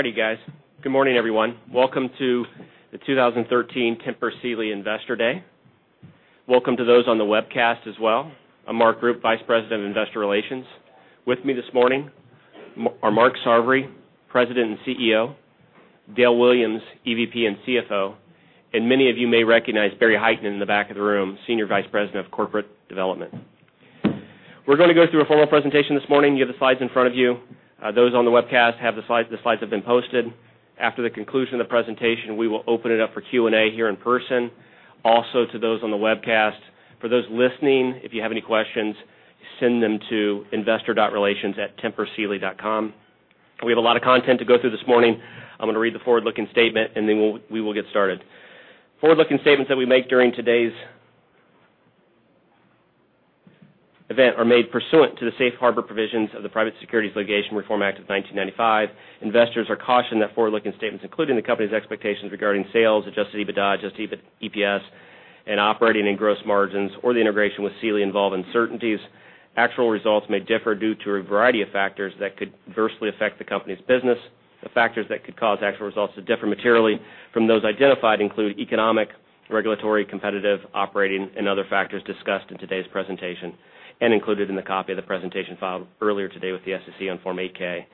All righty, guys. Good morning, everyone. Welcome to the 2013 Tempur Sealy Investor Day. Welcome to those on the webcast as well. I'm Mark Rupe, Vice President of Investor Relations. With me this morning are Mark Sarvary, President and CEO, Dale Williams, EVP and CFO, and many of you may recognize Barry Highton in the back of the room, Senior Vice President of Corporate Development. We're going to go through a formal presentation this morning. You have the slides in front of you. Those on the webcast have the slides. The slides have been posted. After the conclusion of the presentation, we will open it up for Q&A here in person, also to those on the webcast. For those listening, if you have any questions, send them to investor.relations@tempursealy.com. We have a lot of content to go through this morning. I'm going to read the forward-looking statement. We will get started. Forward-looking statements that we make during today's event are made pursuant to the Safe Harbor Provisions of the Private Securities Litigation Reform Act of 1995. Investors are cautioned that forward-looking statements, including the company's expectations regarding sales, adjusted EBITDA, adjusted EPS, and operating and gross margins or the integration with Sealy involve uncertainties. Actual results may differ due to a variety of factors that could adversely affect the company's business. The factors that could cause actual results to differ materially from those identified include economic, regulatory, competitive, operating, and other factors discussed in today's presentation and included in the copy of the presentation filed earlier today with the SEC on Form 8-K.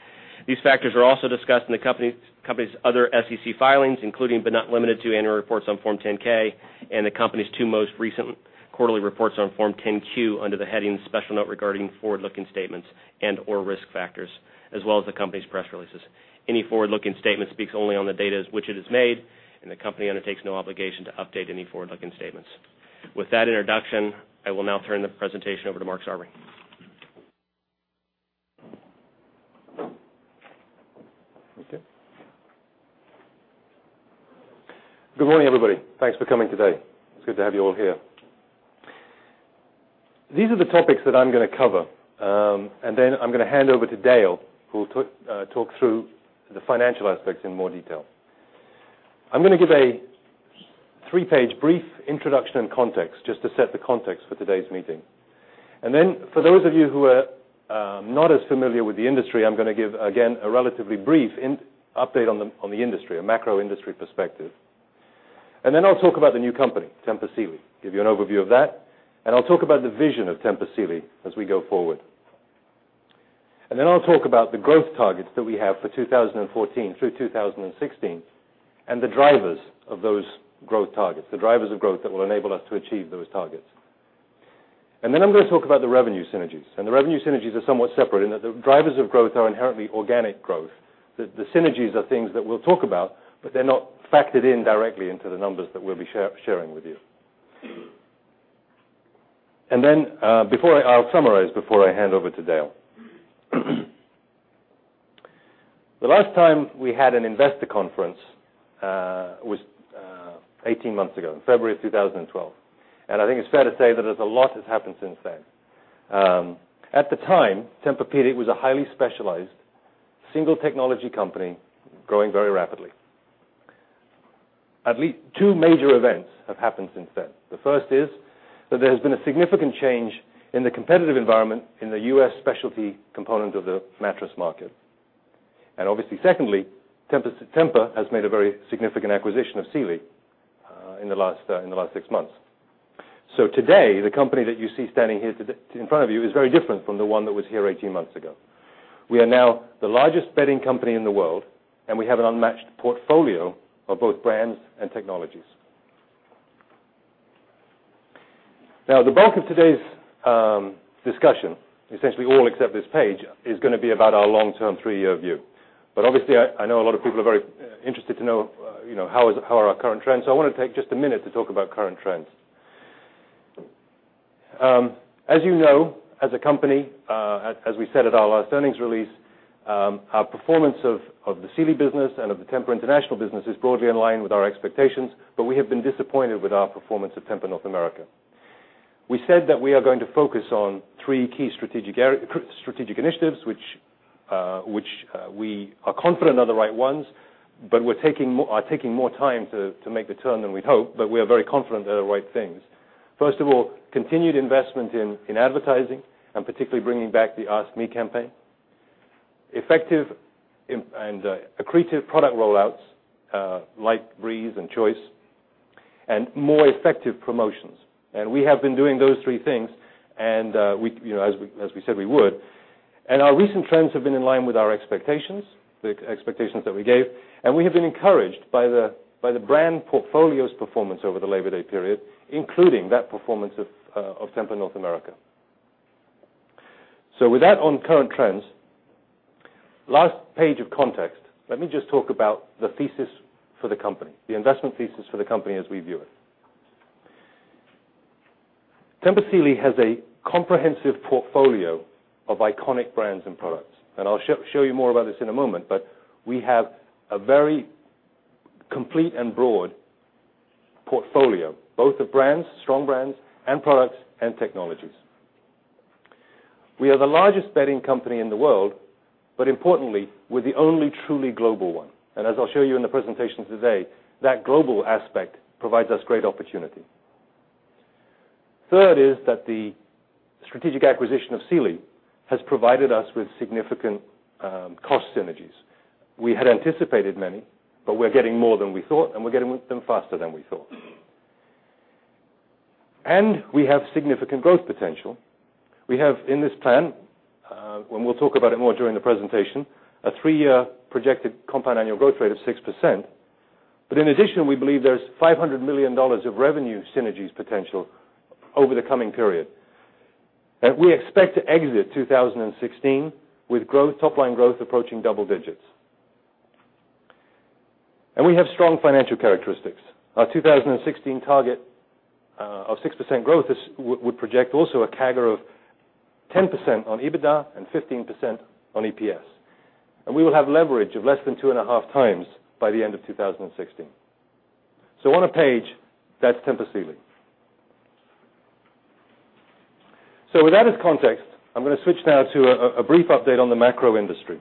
These factors are also discussed in the company's other SEC filings, including but not limited to annual reports on Form 10-K and the company's two most recent quarterly reports on Form 10-Q under the heading Special Note regarding forward-looking statements and/or risk factors, as well as the company's press releases. Any forward-looking statement speaks only on the date as which it is made. The company undertakes no obligation to update any forward-looking statements. With that introduction, I will now turn the presentation over to Mark Sarvary. Thank you. Good morning, everybody. Thanks for coming today. It's good to have you all here. These are the topics that I'm going to cover. I'm going to hand over to Dale, who will talk through the financial aspects in more detail. I'm going to give a three-page brief introduction and context just to set the context for today's meeting. For those of you who are not as familiar with the industry, I'm going to give, again, a relatively brief update on the industry, a macro industry perspective. I'll talk about the new company, Tempur Sealy, give you an overview of that, and I'll talk about the vision of Tempur Sealy as we go forward. I'll talk about the growth targets that we have for 2014 through 2016 and the drivers of those growth targets, the drivers of growth that will enable us to achieve those targets. I'm going to talk about the revenue synergies. The revenue synergies are somewhat separate in that the drivers of growth are inherently organic growth. The synergies are things that we'll talk about, but they're not factored in directly into the numbers that we'll be sharing with you. I'll summarize before I hand over to Dale. The last time we had an investor conference was 18 months ago, in February of 2012. I think it's fair to say that a lot has happened since then. At the time, Tempur-Pedic was a highly specialized single technology company growing very rapidly. At least two major events have happened since then. The first is that there has been a significant change in the competitive environment in the U.S. specialty component of the mattress market. Obviously, secondly, Tempur has made a very significant acquisition of Sealy in the last six months. Today, the company that you see standing here in front of you is very different from the one that was here 18 months ago. We are now the largest bedding company in the world, and we have an unmatched portfolio of both brands and technologies. The bulk of today's discussion, essentially all except this page, is going to be about our long-term three-year view. Obviously, I know a lot of people are very interested to know how are our current trends, so I want to take just a minute to talk about current trends. As you know, as a company, as we said at our last earnings release, our performance of the Sealy business and of the Tempur International business is broadly in line with our expectations, but we have been disappointed with our performance at Tempur North America. We said that we are going to focus on three key strategic initiatives, which we are confident are the right ones. They are taking more time to make the turn than we'd hoped, but we are very confident they are the right things. First of all, continued investment in advertising, and particularly bringing back the Ask Me campaign. Effective and accretive product rollouts like TEMPUR-breeze and TEMPUR-Choice, and more effective promotions. We have been doing those three things as we said we would. Our recent trends have been in line with our expectations, the expectations that we gave, and we have been encouraged by the brand portfolio's performance over the Labor Day period, including that performance of Tempur North America. With that on current trends, last page of context. Let me just talk about the thesis for the company, the investment thesis for the company as we view it. Tempur Sealy has a comprehensive portfolio of iconic brands and products. I'll show you more about this in a moment, but we have a very complete and broad portfolio, both of brands, strong brands, and products and technologies. We are the largest bedding company in the world, but importantly, we're the only truly global one. As I'll show you in the presentation today, that global aspect provides us great opportunity. Third is that the strategic acquisition of Sealy has provided us with significant cost synergies. We had anticipated many, but we're getting more than we thought, and we're getting them faster than we thought. We have significant growth potential. We have in this plan, and we'll talk about it more during the presentation, a 3-year projected compound annual growth rate of 6%. In addition, we believe there's $500 million of revenue synergies potential over the coming period. We expect to exit 2016 with top-line growth approaching double digits. We have strong financial characteristics. Our 2016 target of 6% growth would project also a CAGR of 10% on EBITDA and 15% on EPS. We will have leverage of less than 2.5 times by the end of 2016. On a page, that's Tempur Sealy. With that as context, I'm going to switch now to a brief update on the macro industry.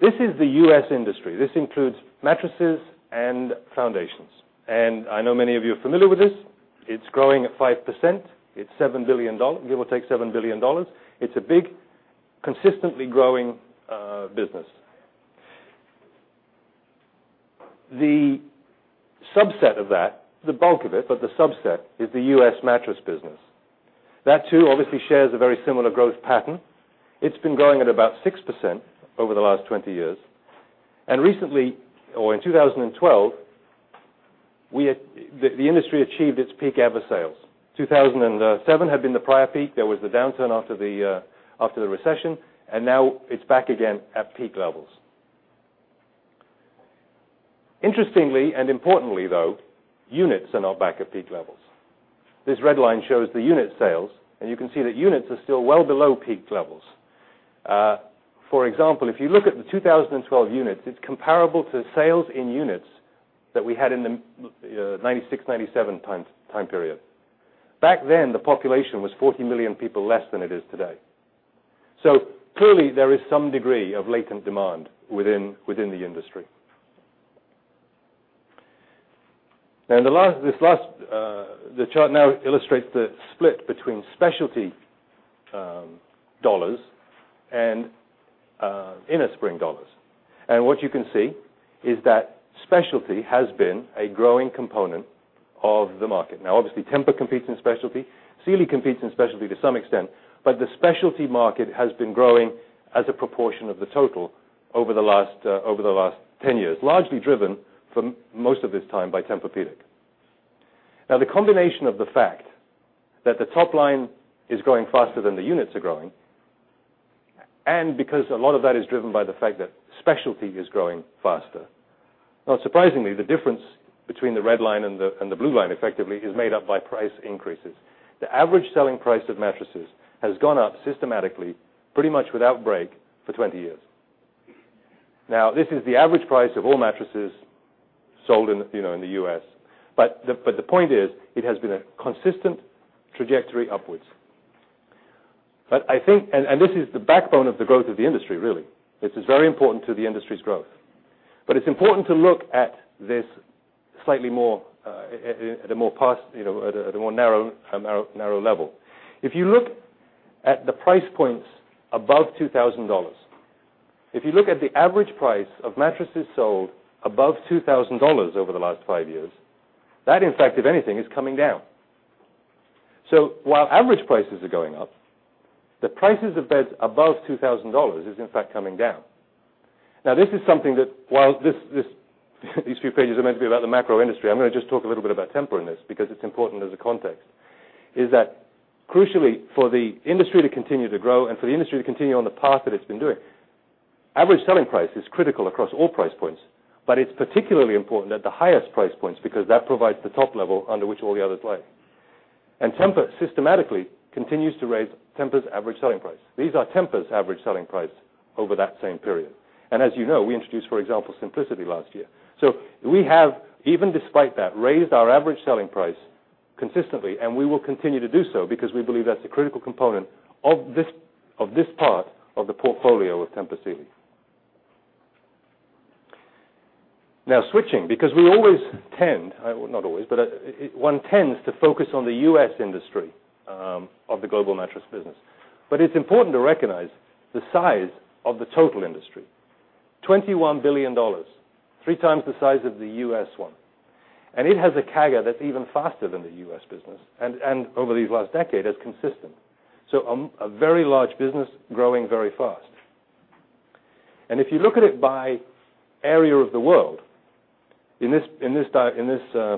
This is the U.S. industry. This includes mattresses and foundations, and I know many of you are familiar with this. It's growing at 5%. Give or take $7 billion. It's a big, consistently growing business. The subset of that, the bulk of it, but the subset is the U.S. mattress business. That too, obviously shares a very similar growth pattern. It's been growing at about 6% over the last 20 years. Recently, or in 2012, the industry achieved its peak ever sales. 2007 had been the prior peak. There was the downturn after the recession, and now it's back again at peak levels. Interestingly and importantly, though, units are now back at peak levels. This red line shows the unit sales, and you can see that units are still well below peak levels. For example, if you look at the 2012 units, it's comparable to sales in units that we had in the 1996, 1997 time period. Back then, the population was 40 million people less than it is today. Clearly, there is some degree of latent demand within the industry. The chart now illustrates the split between specialty dollars and innerspring dollars. What you can see is that specialty has been a growing component of the market. Obviously, Tempur competes in specialty. Sealy competes in specialty to some extent, but the specialty market has been growing as a proportion of the total over the last 10 years, largely driven for most of this time by Tempur-Pedic. The combination of the fact that the top line is growing faster than the units are growing, and because a lot of that is driven by the fact that specialty is growing faster, not surprisingly, the difference between the red line and the blue line effectively is made up by price increases. The average selling price of mattresses has gone up systematically, pretty much without break, for 20 years. This is the average price of all mattresses sold in the U.S. The point is, it has been a consistent trajectory upwards. This is the backbone of the growth of the industry, really. This is very important to the industry's growth. It's important to look at this slightly at a more narrow level. If you look at the price points above $2,000. While average prices are going up, the prices of beds above $2,000 is in fact coming down. Now, this is something that while these few pages are meant to be about the macro industry, I'm going to just talk a little bit about Tempur in this, because it's important as a context, is that crucially, for the industry to continue to grow and for the industry to continue on the path that it's been doing, average selling price is critical across all price points. But it's particularly important at the highest price points because that provides the top level under which all the others lay. And Tempur systematically continues to raise Tempur's average selling price. These are Tempur's average selling price over that same period. As you know, we introduced, for example, Simplicity last year. So we have, even despite that, raised our average selling price consistently, and we will continue to do so because we believe that's a critical component of this part of the portfolio of Tempur Sealy. Switching because we always tend, not always, but one tends to focus on the U.S. industry of the global mattress business. But it's important to recognize the size of the total industry, $21 billion, three times the size of the U.S. one. It has a CAGR that's even faster than the U.S. business and over these last decade, has consistent. A very large business growing very fast. If you look at it by area of the world, in this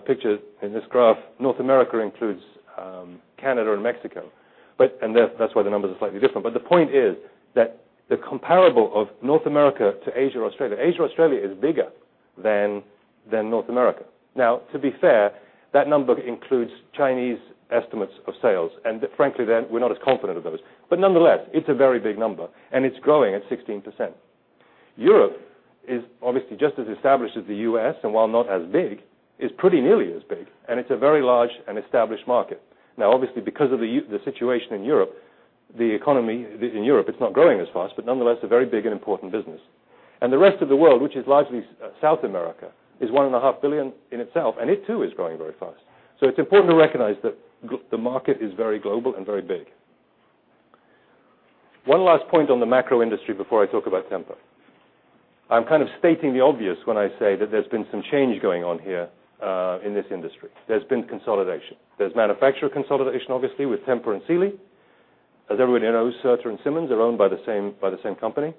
picture, in this graph, North America includes Canada and Mexico. That's why the numbers are slightly different. The point is that the comparable of North America to Asia or Australia. Asia or Australia is bigger than North America. To be fair, that number includes Chinese estimates of sales. Nonetheless, it's a very big number and it's growing at 16%. Europe is obviously just as established as the U.S., and while not as big, is pretty nearly as big, and it's a very large and established market. Obviously, because of the economy in Europe, it's not growing as fast, but nonetheless, a very big and important business. The rest of the world, which is largely South America, is $1.5 billion in itself, and it too is growing very fast. It's important to recognize that the market is very global and very big. One last point on the macro industry before I talk about Tempur. I'm kind of stating the obvious when I say that there's been some change going on here in this industry. There's been consolidation. There's manufacturer consolidation, obviously, with Tempur and Sealy. As everybody knows, Serta and Simmons are owned by the same company.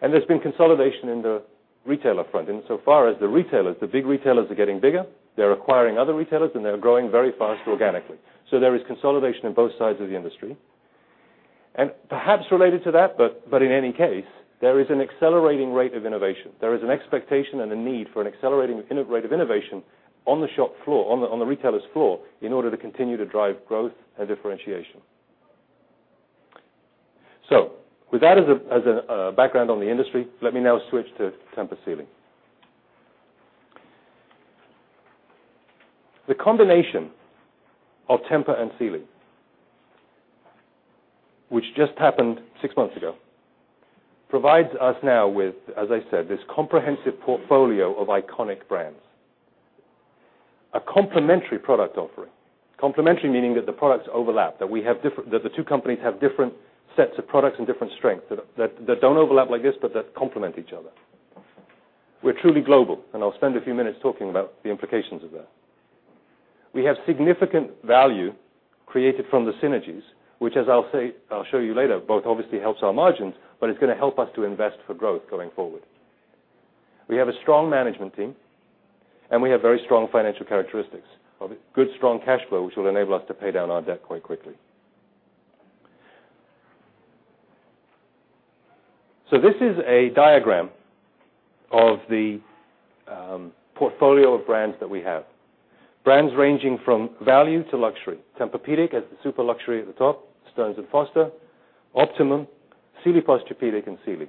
There's been consolidation in the retailer front. In so far as the retailers, the big retailers are getting bigger. They're acquiring other retailers, and they're growing very fast organically. So there is consolidation in both sides of the industry. Perhaps related to that, but in any case, there is an accelerating rate of innovation. There is an expectation and a need for an accelerating rate of innovation on the shop floor, on the retailer's floor, in order to continue to drive growth and differentiation. With that as a background on the industry, let me now switch to Tempur Sealy. The combination of Tempur and Sealy, which just happened six months ago, provides us now with, as I said, this comprehensive portfolio of iconic brands. A complementary product offering. Complementary, meaning that the products overlap, that the two companies have different sets of products and different strengths that don't overlap like this, but that complement each other. We're truly global, and I'll spend a few minutes talking about the implications of that. We have significant value created from the synergies, which, as I'll show you later, both obviously helps our margins, but it's going to help us to invest for growth going forward. We have a strong management team, and we have very strong financial characteristics of good, strong cash flow, which will enable us to pay down our debt quite quickly. This is a diagram of the portfolio of brands that we have. Brands ranging from value to luxury. Tempur-Pedic as the super luxury at the top, Stearns & Foster, Optimum, Sealy Posturepedic, and Sealy.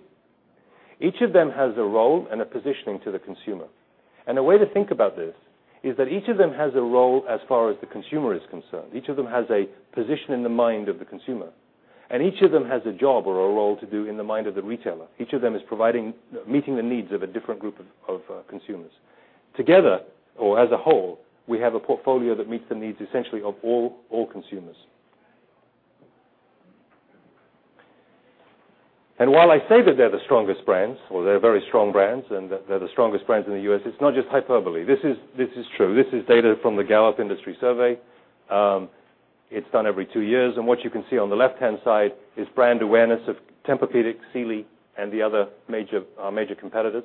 Each of them has a role and a positioning to the consumer. A way to think about this is that each of them has a role as far as the consumer is concerned. Each of them has a position in the mind of the consumer, and each of them has a job or a role to do in the mind of the retailer. Each of them is meeting the needs of a different group of consumers. Together, or as a whole, we have a portfolio that meets the needs, essentially, of all consumers. While I say that they're the strongest brands, or they're very strong brands and they're the strongest brands in the U.S., it's not just hyperbole. This is true. This is data from the Gallup industry survey. It's done every two years. What you can see on the left-hand side is brand awareness of Tempur-Pedic, Sealy, and the other major competitors.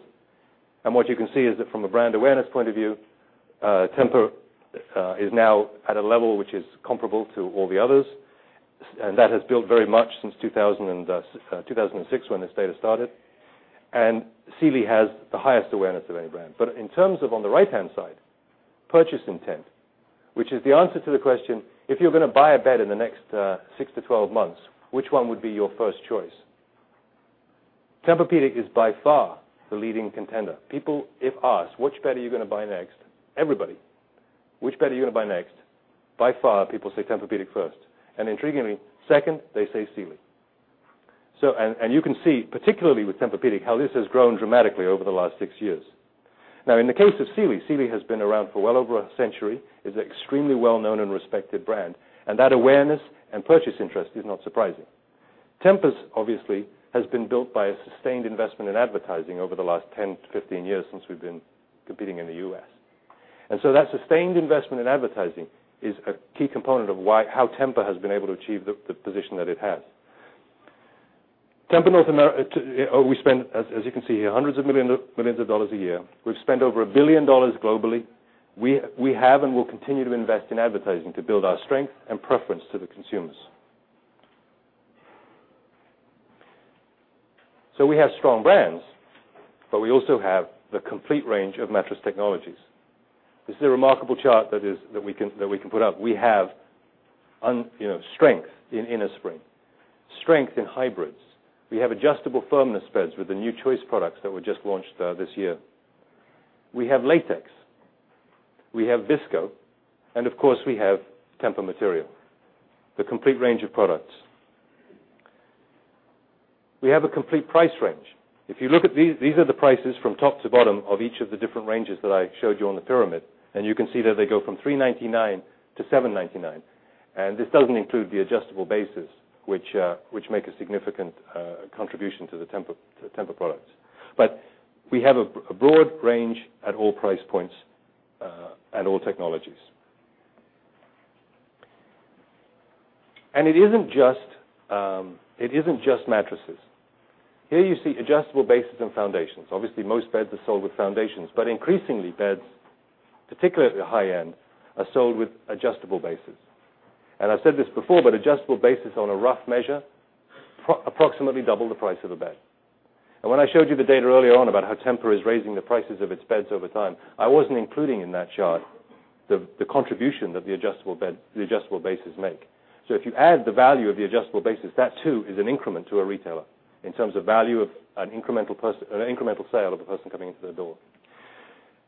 What you can see is that from a brand awareness point of view, Tempur is now at a level which is comparable to all the others. That has built very much since 2006 when this data started. Sealy has the highest awareness of any brand. In terms of, on the right-hand side, purchase intent, which is the answer to the question, if you're going to buy a bed in the next six to 12 months, which one would be your first choice? Tempur-Pedic is by far the leading contender. People, if asked, which bed are you going to buy next? Everybody. Which bed are you going to buy next? By far, people say Tempur-Pedic first. Intriguingly, second, they say Sealy. You can see, particularly with Tempur-Pedic, how this has grown dramatically over the last six years. In the case of Sealy has been around for well over a century, is an extremely well-known and respected brand, and that awareness and purchase interest is not surprising. Tempur's, obviously, has been built by a sustained investment in advertising over the last 10 to 15 years since we've been competing in the U.S. That sustained investment in advertising is a key component of how Tempur has been able to achieve the position that it has. As you can see here, $hundreds of millions a year. We've spent over $1 billion globally. We have and will continue to invest in advertising to build our strength and preference to the consumers. We have strong brands, but we also have the complete range of mattress technologies. This is a remarkable chart that we can put up. We have strength in innerspring, strength in Hybrids. We have adjustable firmness beds with the new TEMPUR-Choice products that were just launched this year. We have latex, we have Visco, and of course, we have Tempur material. The complete range of products. We have a complete price range. These are the prices from top to bottom of each of the different ranges that I showed you on the pyramid, and you can see that they go from $399-$799. This doesn't include the adjustable bases, which make a significant contribution to the Tempur products. We have a broad range at all price points and all technologies. Here you see adjustable bases and foundations. Obviously, most beds are sold with foundations, but increasingly beds, particularly at the high end, are sold with adjustable bases. I said this before, but adjustable bases on a rough measure, approximately double the price of a bed. When I showed you the data earlier on about how Tempur is raising the prices of its beds over time, I wasn't including in that chart the contribution that the adjustable bases make. If you add the value of the adjustable bases, that too is an increment to a retailer in terms of value of an incremental sale of a person coming into the door.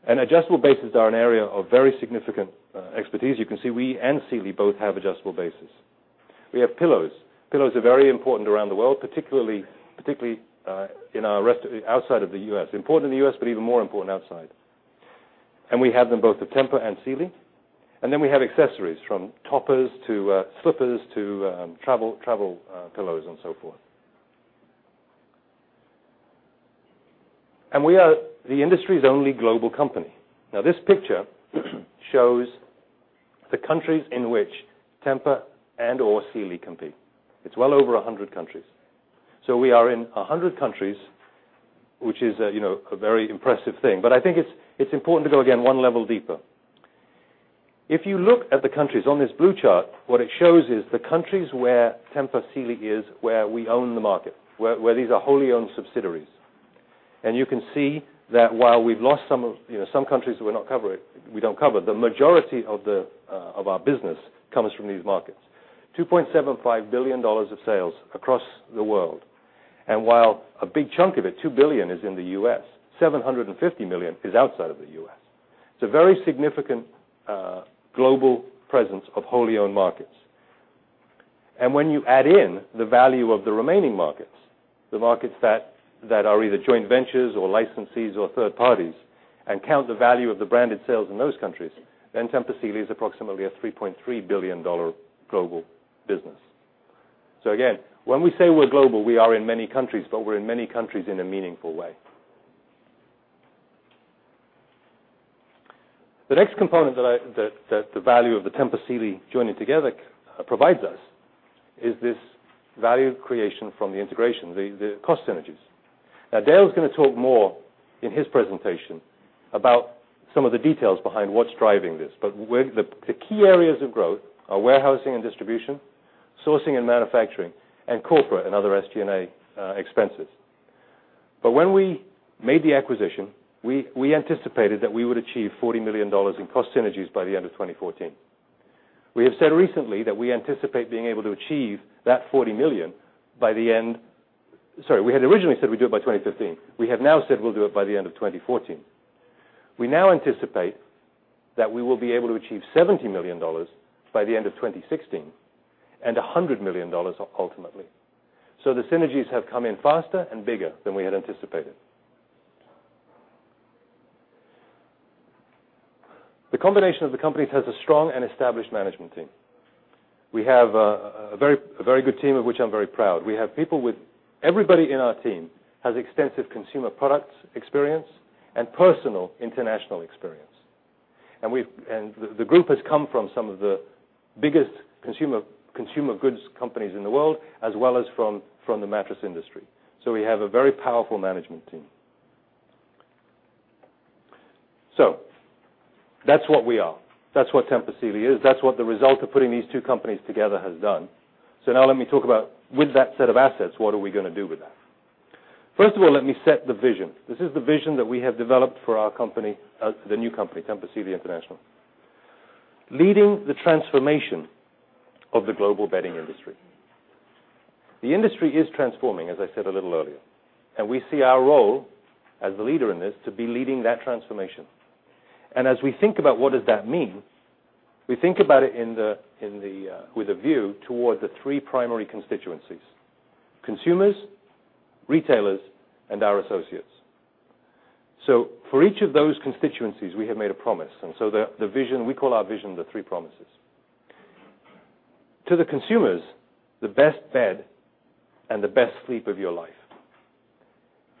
Adjustable bases are an area of very significant expertise. You can see we and Sealy both have adjustable bases. We have pillows. Pillows are very important around the world, particularly outside of the U.S. Important in the U.S., but even more important outside. We have them both at Tempur and Sealy. Then we have accessories from toppers to slippers to travel pillows and so forth. We are the industry's only global company. This picture shows the countries in which Tempur and/or Sealy compete. It's well over 100 countries. We are in 100 countries, which is a very impressive thing. I think it's important to go again 1 level deeper. If you look at the countries on this blue chart, what it shows is the countries where Tempur Sealy is, where we own the market, where these are wholly owned subsidiaries. You can see that while we've lost some countries we don't cover, the majority of our business comes from these markets. $2.75 billion of sales across the world. While a big chunk of it, $2 billion, is in the U.S., $750 million is outside of the U.S. It's a very significant global presence of wholly owned markets. When you add in the value of the remaining markets, the markets that are either joint ventures or licensees or third parties, and count the value of the branded sales in those countries, then Tempur Sealy is approximately a $3.3 billion global business. Again, when we say we're global, we are in many countries, but we're in many countries in a meaningful way. The next component that the value of the Tempur Sealy joining together provides us is this value creation from the integration, the cost synergies. Dale's going to talk more in his presentation about some of the details behind what's driving this. The key areas of growth are warehousing and distribution, sourcing and manufacturing, and corporate and other SG&A expenses. When we made the acquisition, we anticipated that we would achieve $40 million in cost synergies by the end of 2014. We had originally said we'd do it by 2015. We have now said we'll do it by the end of 2014. We now anticipate that we will be able to achieve $70 million by the end of 2016 and $100 million ultimately. The synergies have come in faster and bigger than we had anticipated. The combination of the companies has a strong and established management team. We have a very good team, of which I'm very proud. Everybody in our team has extensive consumer products experience and personal international experience. The group has come from some of the biggest consumer goods companies in the world, as well as from the mattress industry. We have a very powerful management team. That's what we are. That's what Tempur Sealy is. That's what the result of putting these two companies together has done. Let me talk about with that set of assets, what are we going to do with that? First of all, let me set the vision. This is the vision that we have developed for our company, the new company, Tempur Sealy International. Leading the transformation of the global bedding industry. The industry is transforming, as I said a little earlier, and we see our role as the leader in this to be leading that transformation. As we think about what does that mean, we think about it with a view toward the three primary constituencies, consumers, retailers, and our associates. For each of those constituencies, we have made a promise, and we call our vision the three promises. To the consumers, the best bed and the best sleep of your life.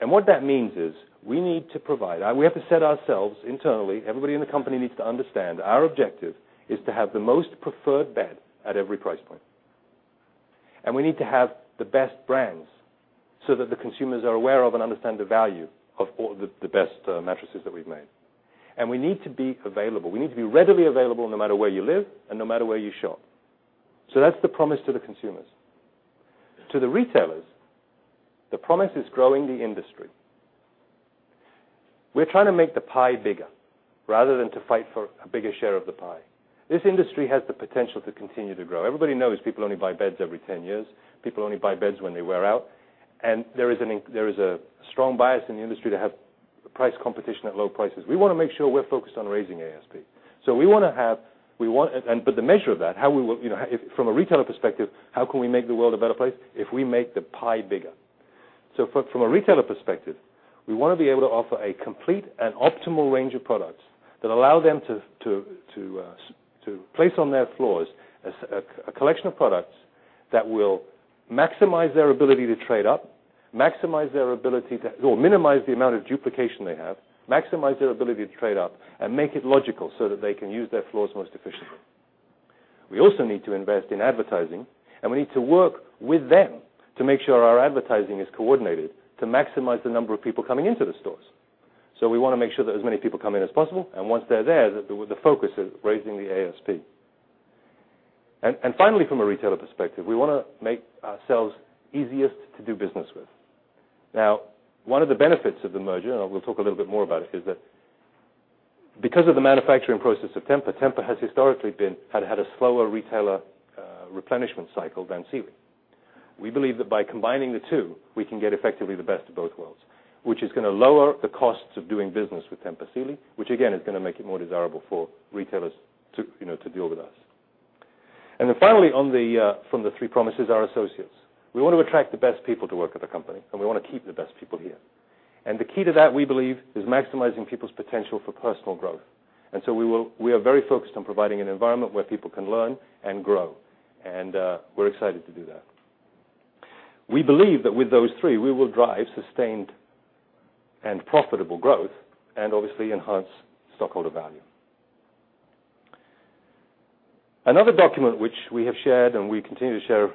What that means is we have to set ourselves internally, everybody in the company needs to understand our objective is to have the most preferred bed at every price point. We need to have the best brands so that the consumers are aware of and understand the value of the best mattresses that we've made. We need to be available. We need to be readily available no matter where you live and no matter where you shop. That's the promise to the consumers. To the retailers, the promise is growing the industry. We're trying to make the pie bigger rather than to fight for a bigger share of the pie. This industry has the potential to continue to grow. Everybody knows people only buy beds every 10 years. People only buy beds when they wear out. There is a strong bias in the industry to have price competition at low prices. We want to make sure we're focused on raising ASP. The measure of that, from a retailer perspective, how can we make the world a better place if we make the pie bigger? From a retailer perspective, we want to be able to offer a complete and optimal range of products that allow them to place on their floors a collection of products that will maximize their ability to trade up, minimize the amount of duplication they have, maximize their ability to trade up, and make it logical so that they can use their floors most efficiently. We also need to invest in advertising, and we need to work with them to make sure our advertising is coordinated to maximize the number of people coming into the stores. We want to make sure that as many people come in as possible, and once they're there, the focus is raising the ASP. Finally, from a retailer perspective, we want to make ourselves easiest to do business with. One of the benefits of the merger, and we'll talk a little bit more about it, is that because of the manufacturing process of Tempur has historically had a slower retailer replenishment cycle than Sealy. We believe that by combining the two, we can get effectively the best of both worlds, which is going to lower the costs of doing business with Tempur Sealy, which again is going to make it more desirable for retailers to deal with us. Then finally, from the three promises, our associates. We want to attract the best people to work at the company, and we want to keep the best people here. The key to that, we believe, is maximizing people's potential for personal growth. We are very focused on providing an environment where people can learn and grow. We're excited to do that. We believe that with those three, we will drive sustained and profitable growth and obviously enhance stockholder value. Another document which we have shared and we continue to share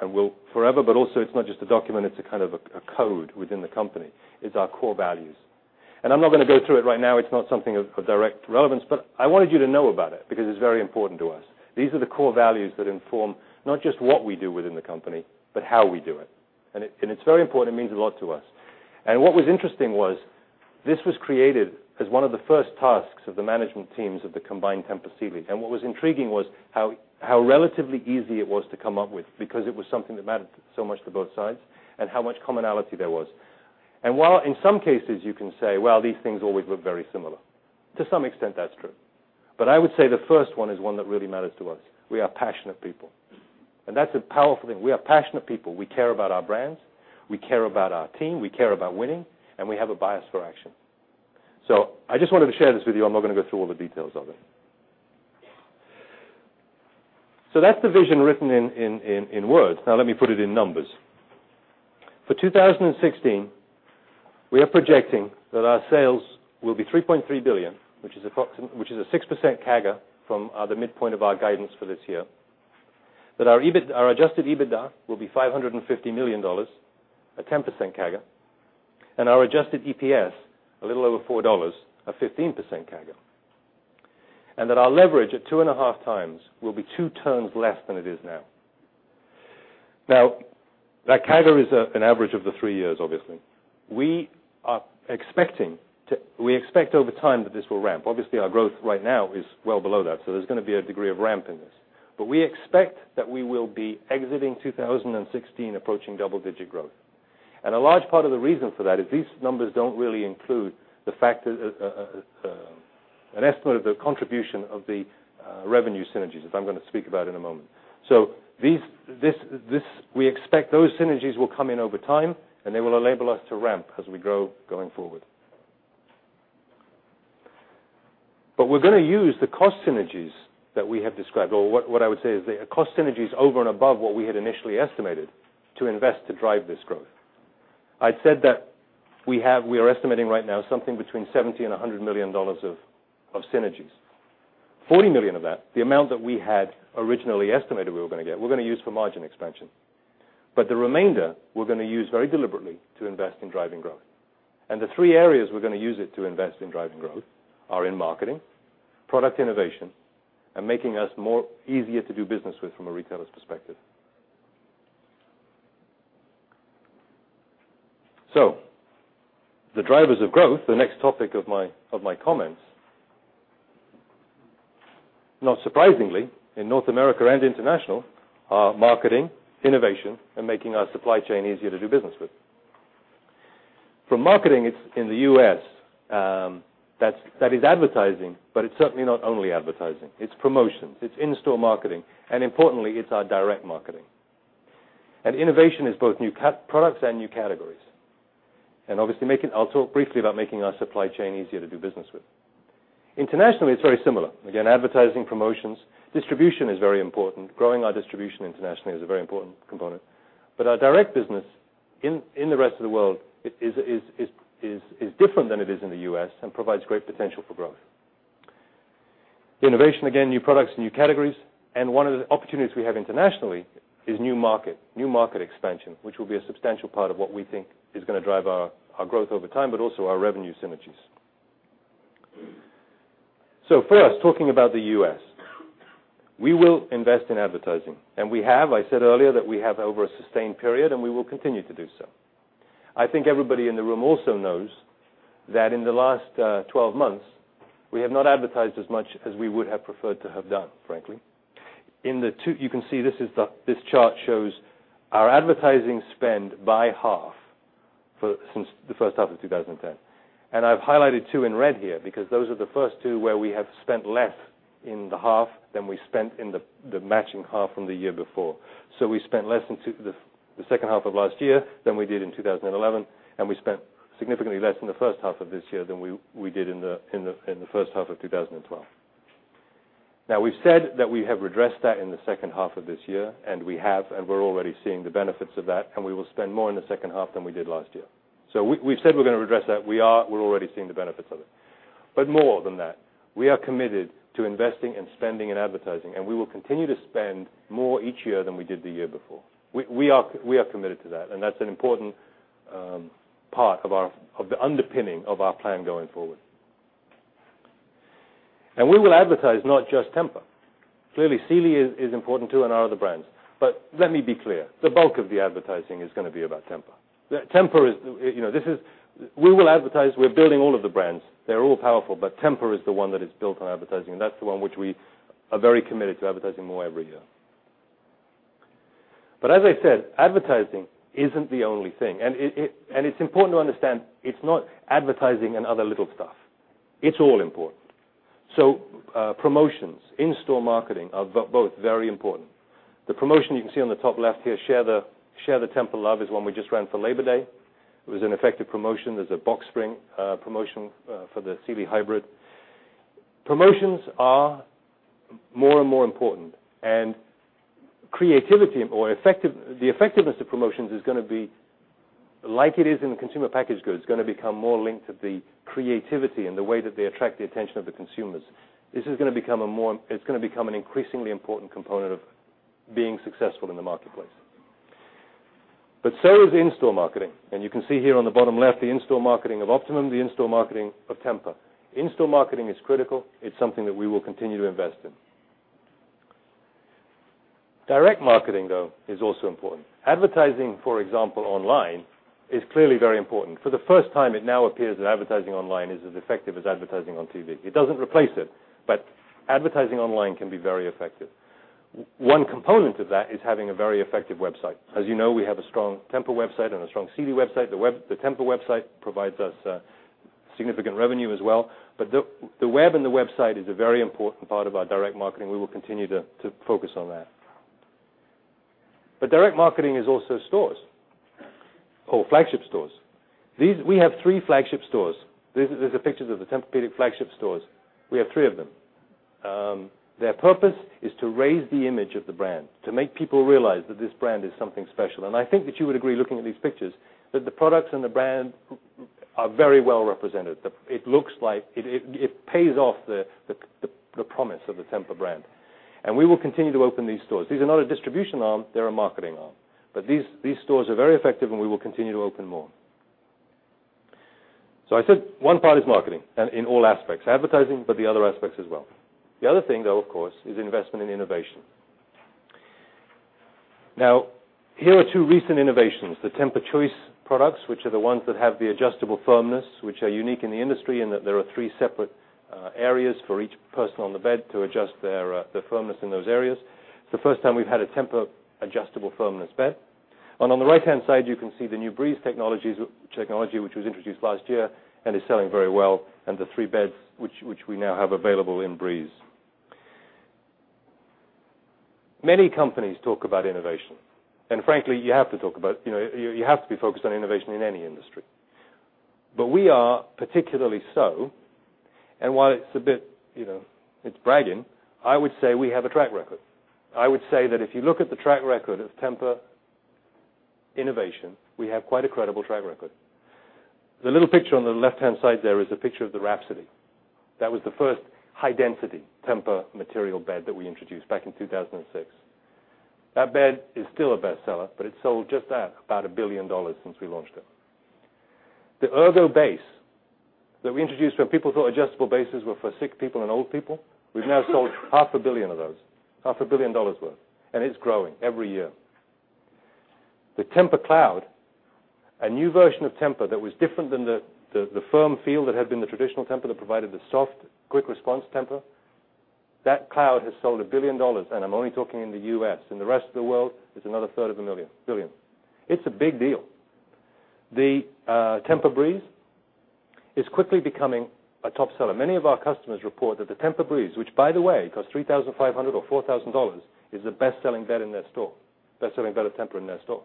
and will forever, but also it's not just a document, it's a kind of a code within the company, is our core values. I'm not going to go through it right now. It's not something of direct relevance, but I wanted you to know about it because it's very important to us. These are the core values that inform not just what we do within the company, but how we do it. It's very important. It means a lot to us. What was interesting was this was created as one of the first tasks of the management teams of the combined Tempur Sealy. What was intriguing was how relatively easy it was to come up with because it was something that mattered so much to both sides and how much commonality there was. While in some cases you can say, well, these things always look very similar. To some extent that's true. But I would say the first one is one that really matters to us. We are passionate people. That's a powerful thing. We are passionate people. We care about our brands. We care about our team. We care about winning, and we have a bias for action. I just wanted to share this with you. I'm not going to go through all the details of it. That's the vision written in words. Let me put it in numbers. For 2016, we are projecting that our sales will be $3.3 billion, which is a 6% CAGR from the midpoint of our guidance for this year. Our adjusted EBITDA will be $550 million, a 10% CAGR. Our adjusted EPS, a little over $4, a 15% CAGR. Our leverage at 2.5x will be two turns less than it is now. That CAGR is an average of the three years, obviously. We expect over time that this will ramp. Our growth right now is well below that, so there's going to be a degree of ramp in this. We expect that we will be exiting 2016 approaching double-digit growth. A large part of the reason for that is these numbers don't really include the fact that an estimate of the contribution of the revenue synergies that I'm going to speak about in a moment. We expect those synergies will come in over time, and they will enable us to ramp as we grow going forward. We're going to use the cost synergies that we have described, or what I would say is the cost synergies over and above what we had initially estimated to invest to drive this growth. I'd said that we are estimating right now something between $70 million-$100 million of synergies. $40 million of that, the amount that we had originally estimated we were going to get, we're going to use for margin expansion. But the remainder, we're going to use very deliberately to invest in driving growth. The three areas we're going to use it to invest in driving growth are in marketing, product innovation, and making us easier to do business with from a retailer's perspective. The drivers of growth, the next topic of my comments. Not surprisingly, in North America and international, are marketing, innovation, and making our supply chain easier to do business with. For marketing in the U.S., that is advertising, but it's certainly not only advertising. It's promotions. It's in-store marketing. Importantly, it's our direct marketing. Innovation is both new products and new categories. Obviously, I'll talk briefly about making our supply chain easier to do business with. Internationally, it's very similar. Again, advertising, promotions. Distribution is very important. Growing our distribution internationally is a very important component. Our direct business in the rest of the world is different than it is in the U.S. and provides great potential for growth. Innovation, again, new products, new categories. One of the opportunities we have internationally is new market expansion, which will be a substantial part of what we think is going to drive our growth over time, but also our revenue synergies. First, talking about the U.S. We will invest in advertising, and we have. I said earlier that we have over a sustained period, and we will continue to do so. I think everybody in the room also knows that in the last 12 months, we have not advertised as much as we would have preferred to have done, frankly. You can see this chart shows our advertising spend by half since the first half of 2010. I've highlighted two in red here because those are the first two where we have spent less in the half than we spent in the matching half from the year before. We spent less in the second half of last year than we did in 2011, and we spent significantly less in the first half of this year than we did in the first half of 2012. We've said that we have redressed that in the second half of this year, and we have, and we're already seeing the benefits of that, and we will spend more in the second half than we did last year. We've said we're going to redress that. We are. We're already seeing the benefits of it. More than that, we are committed to investing and spending and advertising, and we will continue to spend more each year than we did the year before. We are committed to that, and that's an important part of the underpinning of our plan going forward. We will advertise not just Tempur. Clearly, Sealy is important too, and our other brands. Let me be clear, the bulk of the advertising is going to be about Tempur. We're building all of the brands. They're all powerful, but Tempur is the one that is built on advertising, and that's the one which we are very committed to advertising more every year. As I said, advertising isn't the only thing. It's important to understand it's not advertising and other little stuff. It's all important. Promotions, in-store marketing are both very important. The promotion you can see on the top left here, Share the Tempur Love, is one we just ran for Labor Day. It was an effective promotion. There's a box spring promotion for the Sealy Hybrid. Promotions are more and more important, and the effectiveness of promotions is going to be like it is in consumer packaged goods. It's going to become more linked to the creativity and the way that they attract the attention of the consumers. It's going to become an increasingly important component of being successful in the marketplace. So is in-store marketing, and you can see here on the bottom left the in-store marketing of Optimum, the in-store marketing of Tempur. In-store marketing is critical. It's something that we will continue to invest in. Direct marketing, though, is also important. Advertising, for example, online is clearly very important. For the first time, it now appears that advertising online is as effective as advertising on TV. It doesn't replace it, advertising online can be very effective. One component of that is having a very effective website. As you know, we have a strong Tempur website and a strong Sealy website. The Tempur website provides us significant revenue as well. The web and the website is a very important part of our direct marketing. We will continue to focus on that. Direct marketing is also stores or flagship stores. We have three flagship stores. There's pictures of the Tempur-Pedic flagship stores. We have three of them. Their purpose is to raise the image of the brand, to make people realize that this brand is something special. I think that you would agree, looking at these pictures, that the products and the brand are very well represented. It pays off the promise of the Tempur brand, and we will continue to open these stores. These are not a distribution arm, they're a marketing arm. These stores are very effective, and we will continue to open more. I said one part is marketing and in all aspects, advertising, but the other aspects as well. The other thing, though, of course, is investment in innovation. Now, here are two recent innovations, the TEMPUR-Choice products, which are the ones that have the adjustable firmness, which are unique in the industry in that there are three separate areas for each person on the bed to adjust the firmness in those areas. It's the first time we've had a Tempur adjustable firmness bed. On the right-hand side, you can see the new Breeze technology, which was introduced last year and is selling very well, and the three beds which we now have available in Breeze. Many companies talk about innovation. Frankly, you have to be focused on innovation in any industry. We are particularly so, and while it's bragging, I would say we have a track record. I would say that if you look at the track record of Tempur innovation, we have quite a credible track record. The little picture on the left-hand side there is a picture of the Rhapsody. That was the first high-density Tempur material bed that we introduced back in 2006. That bed is still a bestseller, but it sold just about $1 billion since we launched it. The TEMPUR-Ergo base that we introduced when people thought adjustable bases were for sick people and old people, we've now sold half a billion of those, half a billion dollars' worth, and it's growing every year. The TEMPUR-Cloud, a new version of Tempur that was different than the firm feel that had been the traditional Tempur that provided the soft, quick response Tempur. That Cloud has sold $1 billion, and I'm only talking in the U.S. In the rest of the world, it's another third of a billion. It's a big deal. The TEMPUR-breeze is quickly becoming a top seller. Many of our customers report that the TEMPUR-breeze, which, by the way, costs $3,500 or $4,000, is the best-selling bed of Tempur in their store.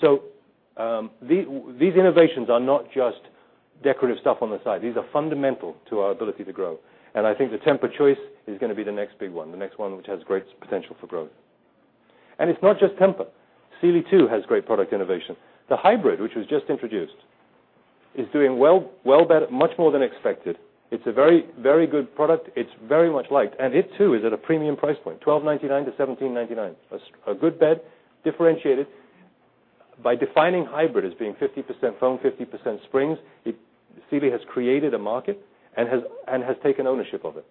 These innovations are not just decorative stuff on the side. These are fundamental to our ability to grow. I think the TEMPUR-Choice is going to be the next big one, the next one which has great potential for growth. It's not just Tempur. Sealy, too, has great product innovation. The Hybrid, which was just introduced, is doing much more than expected. It's a very good product. It's very much liked, and it too is at a premium price point, $1,299-$1,799. A good bed, differentiated. By defining hybrid as being 50% foam, 50% springs, Sealy has created a market and has taken ownership of it.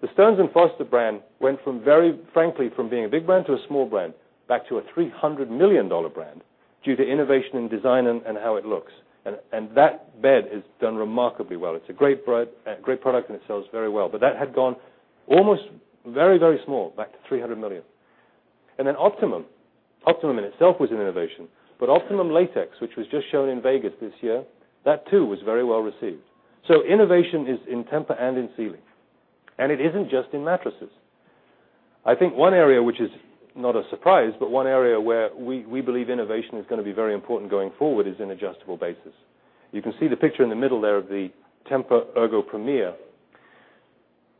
The Stearns & Foster brand went from, very frankly, from being a big brand to a small brand back to a $300 million brand due to innovation in design and how it looks. That bed has done remarkably well. It's a great product, and it sells very well. That had gone almost very small back to $300 million. Optimum. Optimum in itself was an innovation, but Optimum Latex, which was just shown in Vegas this year, that too was very well received. Innovation is in Tempur and in Sealy, and it isn't just in mattresses. I think one area which is not a surprise, but one area where we believe innovation is going to be very important going forward, is in adjustable bases. You can see the picture in the middle there of the Tempur TEMPUR-Ergo Premier,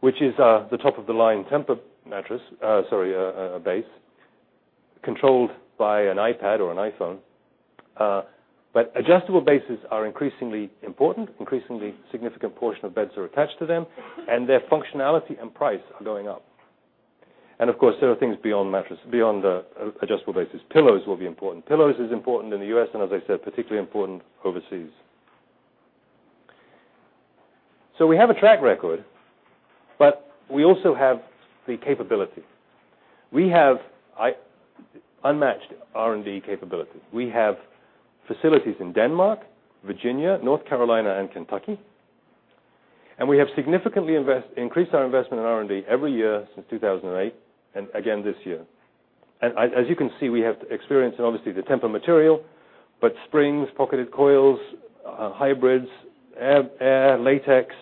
which is the top-of-the-line Tempur base controlled by an iPad or an iPhone. Adjustable bases are increasingly important. Increasingly significant portion of beds are attached to them, and their functionality and price are going up. Of course, there are things beyond the adjustable bases. Pillows will be important. Pillows is important in the U.S., and as I said, particularly important overseas. We have a track record, but we also have the capability. We have unmatched R&D capability. We have facilities in Denmark, Virginia, North Carolina, and Kentucky. We have significantly increased our investment in R&D every year since 2008, and again this year. As you can see, we have experience in obviously the Tempur material, but springs, pocketed coils, hybrids, air, latex,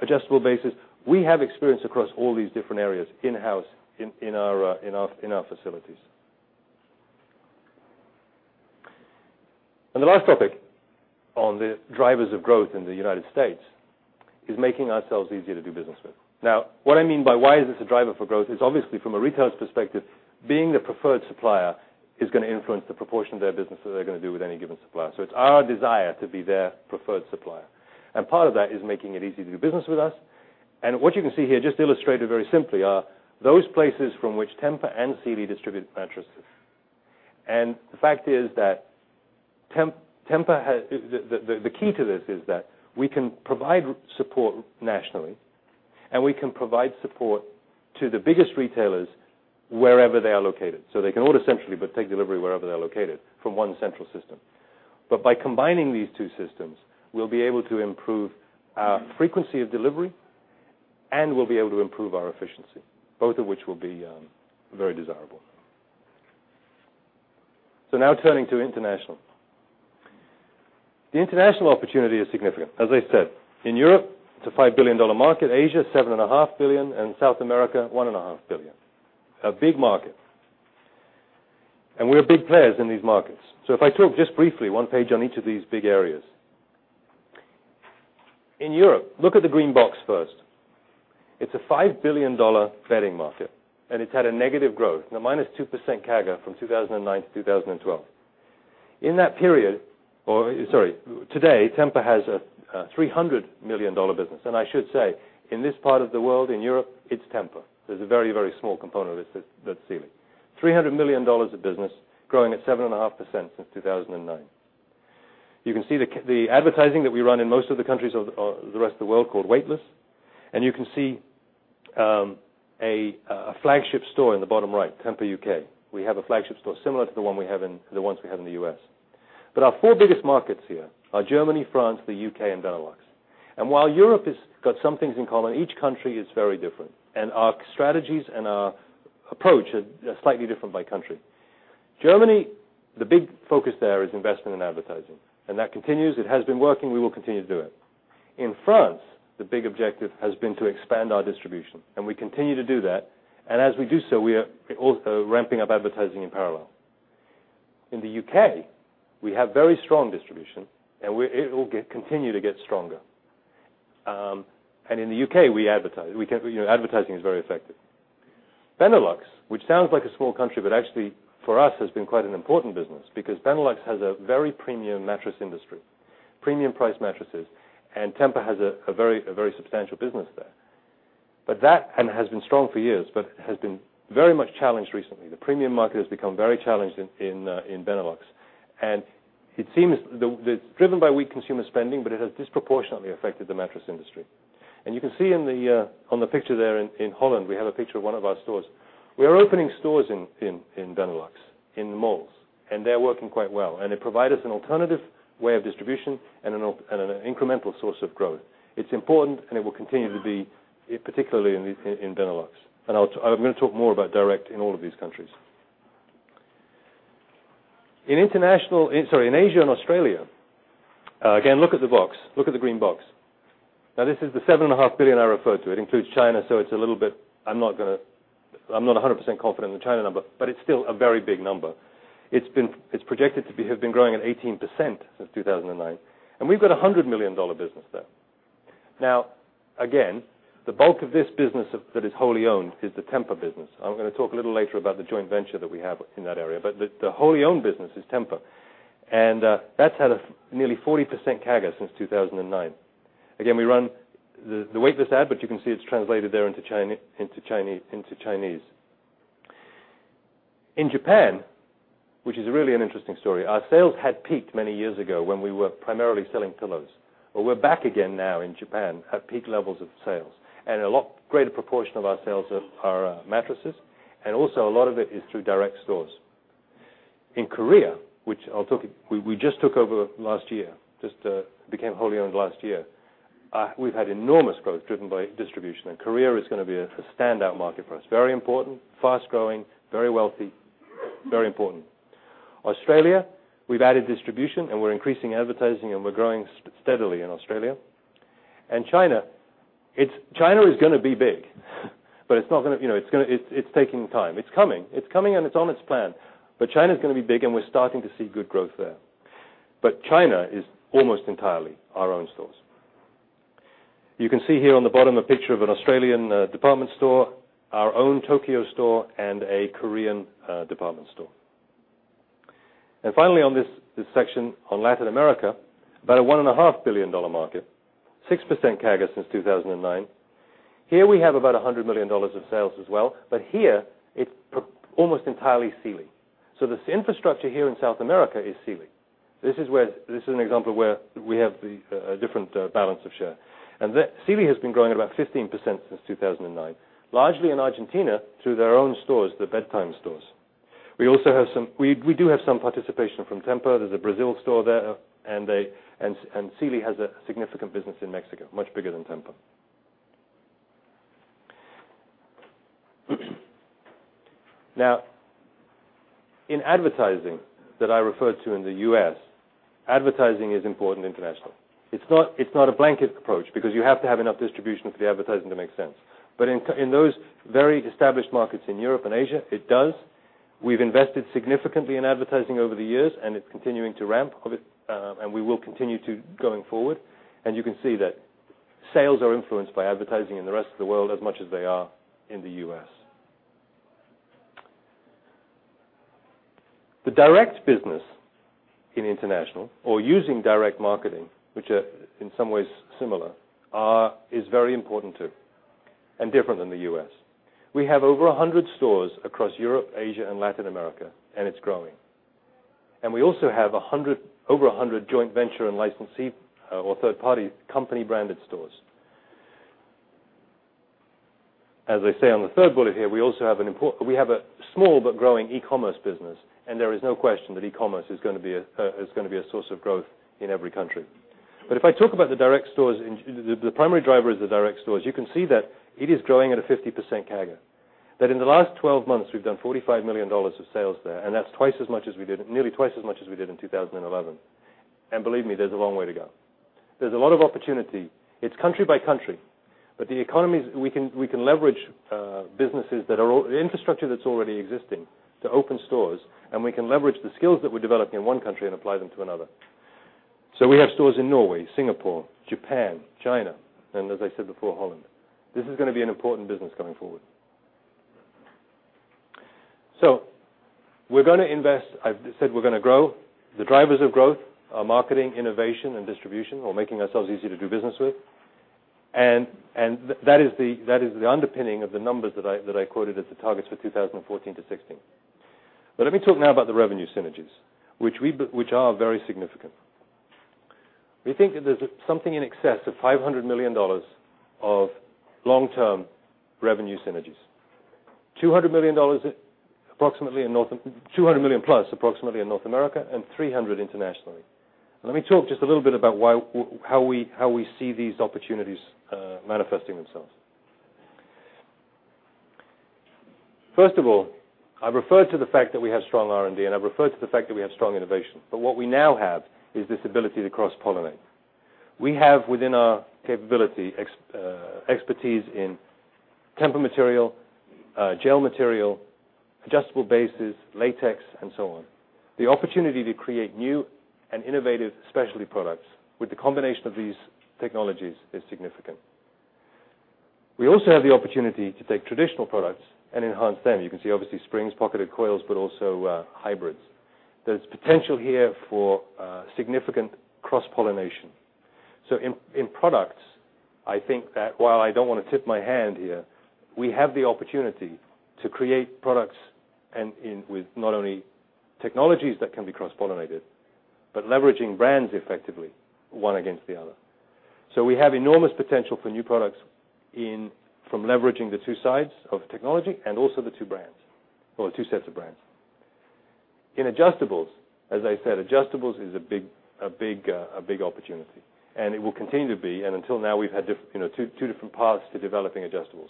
adjustable bases. We have experience across all these different areas in-house in our facilities. The last topic on the drivers of growth in the United States is making ourselves easier to do business with. Now, what I mean by why is this a driver for growth is obviously from a retailer's perspective, being the preferred supplier is going to influence the proportion of their business that they're going to do with any given supplier. It's our desire to be their preferred supplier, and part of that is making it easy to do business with us. What you can see here, just illustrated very simply, are those places from which Tempur and Sealy distribute mattresses. The fact is that the key to this is that we can provide support nationally, and we can provide support to the biggest retailers wherever they are located. They can order centrally, but take delivery wherever they're located from one central system. By combining these two systems, we'll be able to improve our frequency of delivery and we'll be able to improve our efficiency, both of which will be very desirable. Now turning to international. The international opportunity is significant. As I said, in Europe, it's a $5 billion market. Asia, $7.5 billion, and South America, $1.5 billion. A big market. We are big players in these markets. If I talk just briefly, one page on each of these big areas. In Europe, look at the green box first. It's a $5 billion bedding market, and it's had a negative growth. Now, minus 2% CAGR from 2009 to 2012. Today, Tempur has a $300 million business. I should say, in this part of the world, in Europe, it's Tempur. There's a very, very small component of it that's Sealy. $300 million of business growing at 7.5% since 2009. You can see the advertising that we run in most of the countries of the rest of the world called Weightless. You can see a flagship store in the bottom right, Tempur U.K. We have a flagship store similar to the ones we have in the U.S. Our four biggest markets here are Germany, France, the U.K., and Benelux. While Europe has got some things in common, each country is very different, and our strategies and our approach are slightly different by country. Germany. The big focus there is investment in advertising. That continues. It has been working. We will continue to do it. In France, the big objective has been to expand our distribution, and we continue to do that. As we do so, we are also ramping up advertising in parallel. In the U.K., we have very strong distribution, and it will continue to get stronger. In the U.K., advertising is very effective. Benelux, which sounds like a small country, but actually for us has been quite an important business because Benelux has a very premium mattress industry. Premium price mattresses. Tempur has a very substantial business there. It has been strong for years but has been very much challenged recently. The premium market has become very challenged in Benelux. It is driven by weak consumer spending, but it has disproportionately affected the mattress industry. You can see on the picture there in Holland, we have a picture of one of our stores. We are opening stores in Benelux, in malls, and they are working quite well. They provide us an alternative way of distribution and an incremental source of growth. It is important and it will continue to be, particularly in Benelux. I am going to talk more about direct in all of these countries. In Asia and Australia, again, look at the box. Look at the green box. This is the $7.5 billion I referred to. It includes China, so I am not 100% confident in the China number, but it is still a very big number. It is projected to have been growing at 18% since 2009. We have got a $100 million business there. Again, the bulk of this business that is wholly owned is the Tempur business. I am going to talk a little later about the joint venture that we have in that area. The wholly owned business is Tempur. That has had a nearly 40% CAGR since 2009. Again, we run the Weightless ad, but you can see it is translated there into Chinese. In Japan, which is really an interesting story, our sales had peaked many years ago when we were primarily selling pillows. We are back again now in Japan at peak levels of sales. A lot greater proportion of our sales are mattresses, and also a lot of it is through direct stores. In Korea, which we just took over last year, just became wholly owned last year, we have had enormous growth driven by distribution. Korea is going to be a standout market for us. Very important, fast-growing, very wealthy, very important. Australia, we have added distribution, and we are increasing advertising, and we are growing steadily in Australia. China. China is going to be big, but it is taking time. It is coming. It is coming and it is on its plan. China is going to be big and we are starting to see good growth there. China is almost entirely our own stores. You can see here on the bottom a picture of an Australian department store, our own Tokyo store, and a Korean department store. Finally on this section on Latin America, about a $1.5 billion market, 6% CAGR since 2009. Here we have about $100 million of sales as well, but here it's almost entirely Sealy. This infrastructure here in South America is Sealy. This is an example of where we have a different balance of share. Sealy has been growing at about 15% since 2009, largely in Argentina through their own stores, the BedTime stores. We also do have some participation from Tempur. There's a Brazil store there, and Sealy has a significant business in Mexico, much bigger than Tempur. In advertising that I referred to in the U.S., advertising is important international. It's not a blanket approach because you have to have enough distribution for the advertising to make sense. In those very established markets in Europe and Asia, it does. We've invested significantly in advertising over the years, and it's continuing to ramp, and we will continue to going forward. You can see that sales are influenced by advertising in the rest of the world as much as they are in the U.S. The direct business in international, or using direct marketing, which are in some ways similar, is very important too, and different than the U.S. We have over 100 stores across Europe, Asia, and Latin America, and it's growing. We also have over 100 joint venture and licensee or third-party company-branded stores. As I say on the third bullet here, we have a small but growing e-commerce business, and there is no question that e-commerce is going to be a source of growth in every country. If I talk about the primary driver is the direct stores. You can see that it is growing at a 50% CAGR. That in the last 12 months, we've done $45 million of sales there, and that's nearly twice as much as we did in 2011. Believe me, there's a long way to go. There's a lot of opportunity. It's country by country. The economies, we can leverage businesses, infrastructure that's already existing to open stores, and we can leverage the skills that we're developing in one country and apply them to another. We have stores in Norway, Singapore, Japan, China, and as I said before, Holland. This is going to be an important business coming forward. We're going to invest. I've said we're going to grow. The drivers of growth are marketing, innovation, and distribution, or making ourselves easy to do business with. That is the underpinning of the numbers that I quoted as the targets for 2014-2016. Let me talk now about the revenue synergies, which are very significant. We think that there's something in excess of $500 million of long-term revenue synergies. $200 million-plus approximately in North America and $300 million internationally. Let me talk just a little bit about how we see these opportunities manifesting themselves. First of all, I've referred to the fact that we have strong R&D. I've referred to the fact that we have strong innovation. What we now have is this ability to cross-pollinate. We have within our capability, expertise in Tempur material, gel material, adjustable bases, latex, and so on. The opportunity to create new and innovative specialty products with the combination of these technologies is significant. We also have the opportunity to take traditional products and enhance them. You can see, obviously, springs, pocketed coils, but also hybrids. There's potential here for significant cross-pollination. In products, I think that while I don't want to tip my hand here, we have the opportunity to create products with not only technologies that can be cross-pollinated, but leveraging brands effectively, one against the other. We have enormous potential for new products from leveraging the two sides of technology and also the two brands or the two sets of brands. In adjustables, as I said, adjustables is a big opportunity, and it will continue to be. Until now, we've had two different paths to developing adjustables.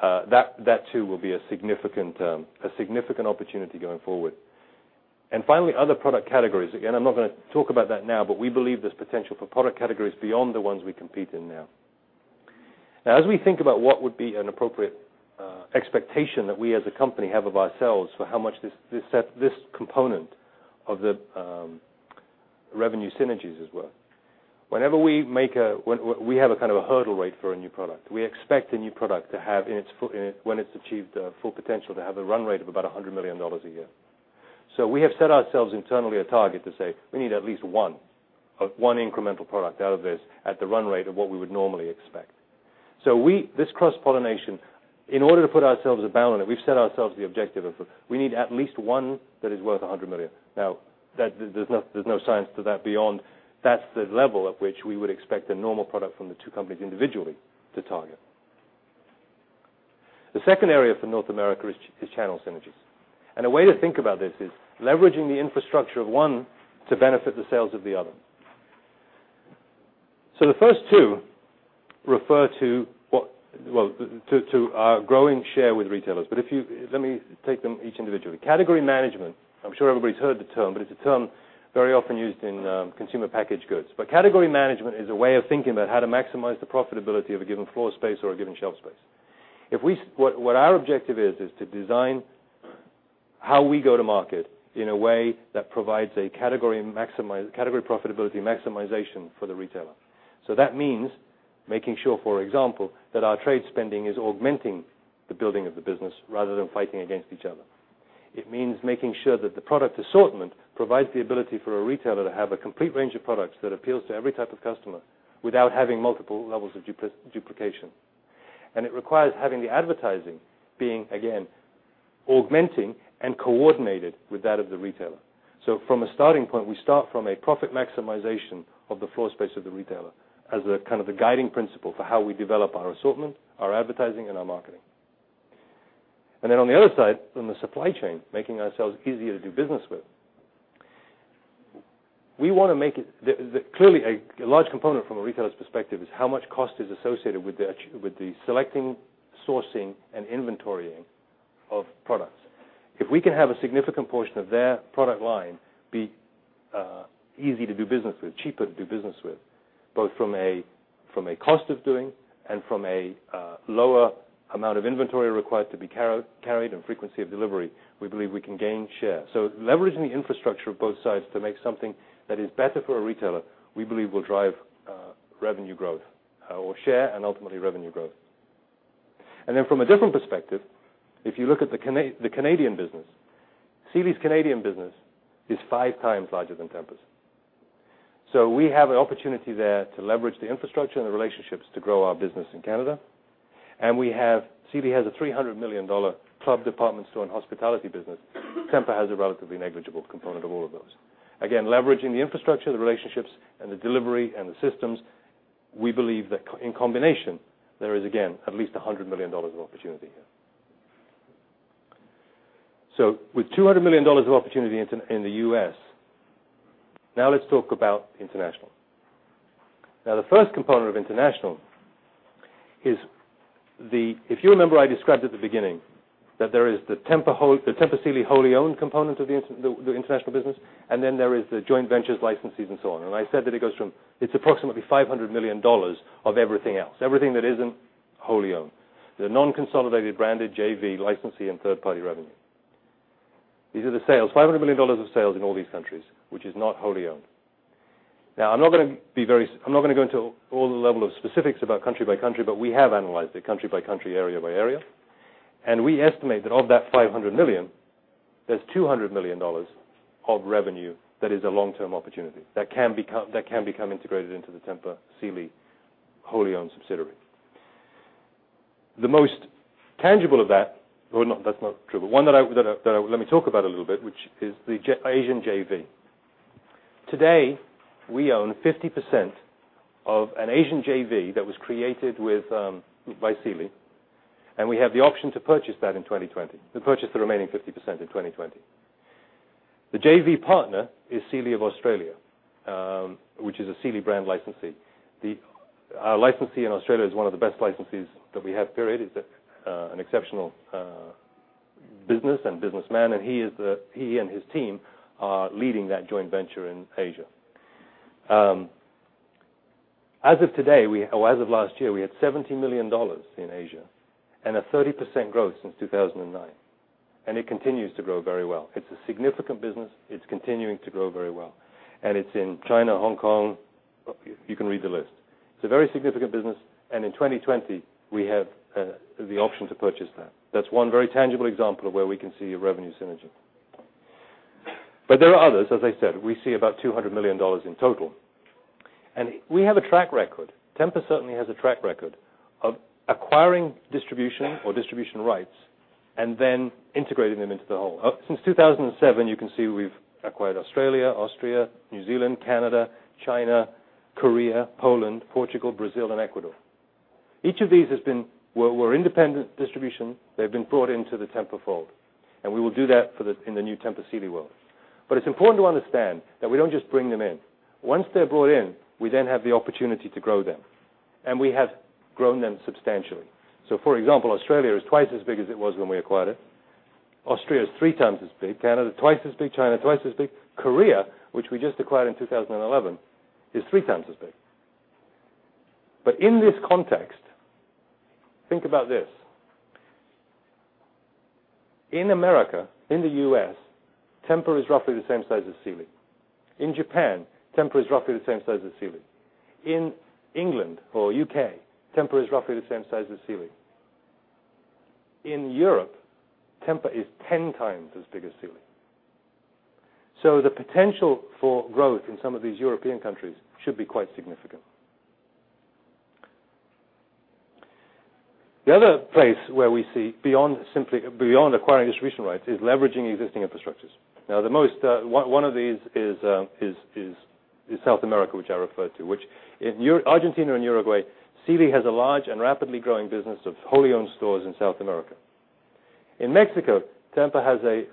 That too will be a significant opportunity going forward. Finally, other product categories. Again, I'm not going to talk about that now, but we believe there's potential for product categories beyond the ones we compete in now. As we think about what would be an appropriate expectation that we as a company have of ourselves for how much this component of the revenue synergies is worth. We have a kind of a hurdle rate for a new product. We expect a new product to have, when it's achieved full potential, to have a run rate of about $100 million a year. We have set ourselves internally a target to say we need at least one incremental product out of this at the run rate of what we would normally expect. This cross-pollination, in order to put ourselves a bound on it, we've set ourselves the objective of we need at least one that is worth $100 million. There's no science to that beyond that's the level at which we would expect a normal product from the two companies individually to target. The second area for North America is channel synergies. A way to think about this is leveraging the infrastructure of one to benefit the sales of the other. The first two refer to our growing share with retailers. Let me take them each individually. Category management, I'm sure everybody's heard the term, but it's a term very often used in consumer packaged goods. Category management is a way of thinking about how to maximize the profitability of a given floor space or a given shelf space. What our objective is to design how we go to market in a way that provides a category profitability maximization for the retailer. That means making sure, for example, that our trade spending is augmenting the building of the business rather than fighting against each other. It means making sure that the product assortment provides the ability for a retailer to have a complete range of products that appeals to every type of customer without having multiple levels of duplication. It requires having the advertising being, again, augmenting and coordinated with that of the retailer. From a starting point, we start from a profit maximization of the floor space of the retailer as the guiding principle for how we develop our assortment, our advertising, and our marketing. Then on the other side, on the supply chain, making ourselves easier to do business with. Clearly, a large component from a retailer's perspective is how much cost is associated with the selecting, sourcing, and inventorying of products. If we can have a significant portion of their product line be easy to do business with, cheaper to do business with, both from a cost of doing and from a lower amount of inventory required to be carried and frequency of delivery, we believe we can gain share. Leveraging the infrastructure of both sides to make something that is better for a retailer, we believe will drive revenue growth, or share and ultimately revenue growth. From a different perspective, if you look at the Canadian business, Sealy's Canadian business is five times larger than Tempur's. We have an opportunity there to leverage the infrastructure and the relationships to grow our business in Canada. Sealy has a $300 million club department store and hospitality business. Tempur has a relatively negligible component of all of those. Again, leveraging the infrastructure, the relationships, and the delivery and the systems, we believe that in combination, there is again, at least $100 million of opportunity here. With $200 million of opportunity in the U.S., now let's talk about international. The first component of international is the-- If you remember I described at the beginning that there is the Tempur Sealy wholly owned component of the international business, and then there is the joint ventures, licensees, and so on. I said that it's approximately $500 million of everything else. Everything that isn't wholly owned. The non-consolidated branded JV licensee and third-party revenue. These are the sales. $500 million of sales in all these countries, which is not wholly owned. I'm not going to go into all the level of specifics about country by country, but we have analyzed it country by country, area by area. We estimate that of that $500 million, there's $200 million of revenue that is a long-term opportunity. That can become integrated into the Tempur Sealy wholly owned subsidiary. The most tangible of that-- Well, that's not true. One that let me talk about a little bit, which is the Asian JV. Today, we own 50% of an Asian JV that was created by Sealy, and we have the option to purchase the remaining 50% in 2020. The JV partner is Sealy of Australia, which is a Sealy brand licensee. Our licensee in Australia is one of the best licensees that we have, period. It's an exceptional business and businessman, and he and his team are leading that joint venture in Asia. As of last year, we had $70 million in Asia and a 30% growth since 2009. It continues to grow very well. It's a significant business. It's continuing to grow very well. It's in China, Hong Kong. You can read the list. It's a very significant business, and in 2020, we have the option to purchase that. That's one very tangible example of where we can see a revenue synergy. There are others, as I said. We see about $200 million in total. We have a track record. Tempur certainly has a track record of acquiring distribution or distribution rights and then integrating them into the whole. Since 2007, you can see we've acquired Australia, Austria, New Zealand, Canada, China, Korea, Poland, Portugal, Brazil, and Ecuador. Each of these were independent distribution. They've been brought into the Tempur fold. We will do that in the new Tempur Sealy world. It's important to understand that we don't just bring them in. Once they're brought in, we then have the opportunity to grow them. We have grown them substantially. For example, Australia is twice as big as it was when we acquired it. Austria is three times as big. Canada, twice as big. China, twice as big. Korea, which we just acquired in 2011, is three times as big. In this context, think about this. In America, in the U.S., Tempur is roughly the same size as Sealy. In Japan, Tempur is roughly the same size as Sealy. In England or U.K., Tempur is roughly the same size as Sealy. In Europe, Tempur is 10 times as big as Sealy. The potential for growth in some of these European countries should be quite significant. The other place where we see beyond acquiring distribution rights is leveraging existing infrastructures. One of these is South America, which I referred to. In Argentina and Uruguay, Sealy has a large and rapidly growing business of wholly owned stores in South America. In Mexico, Tempur has a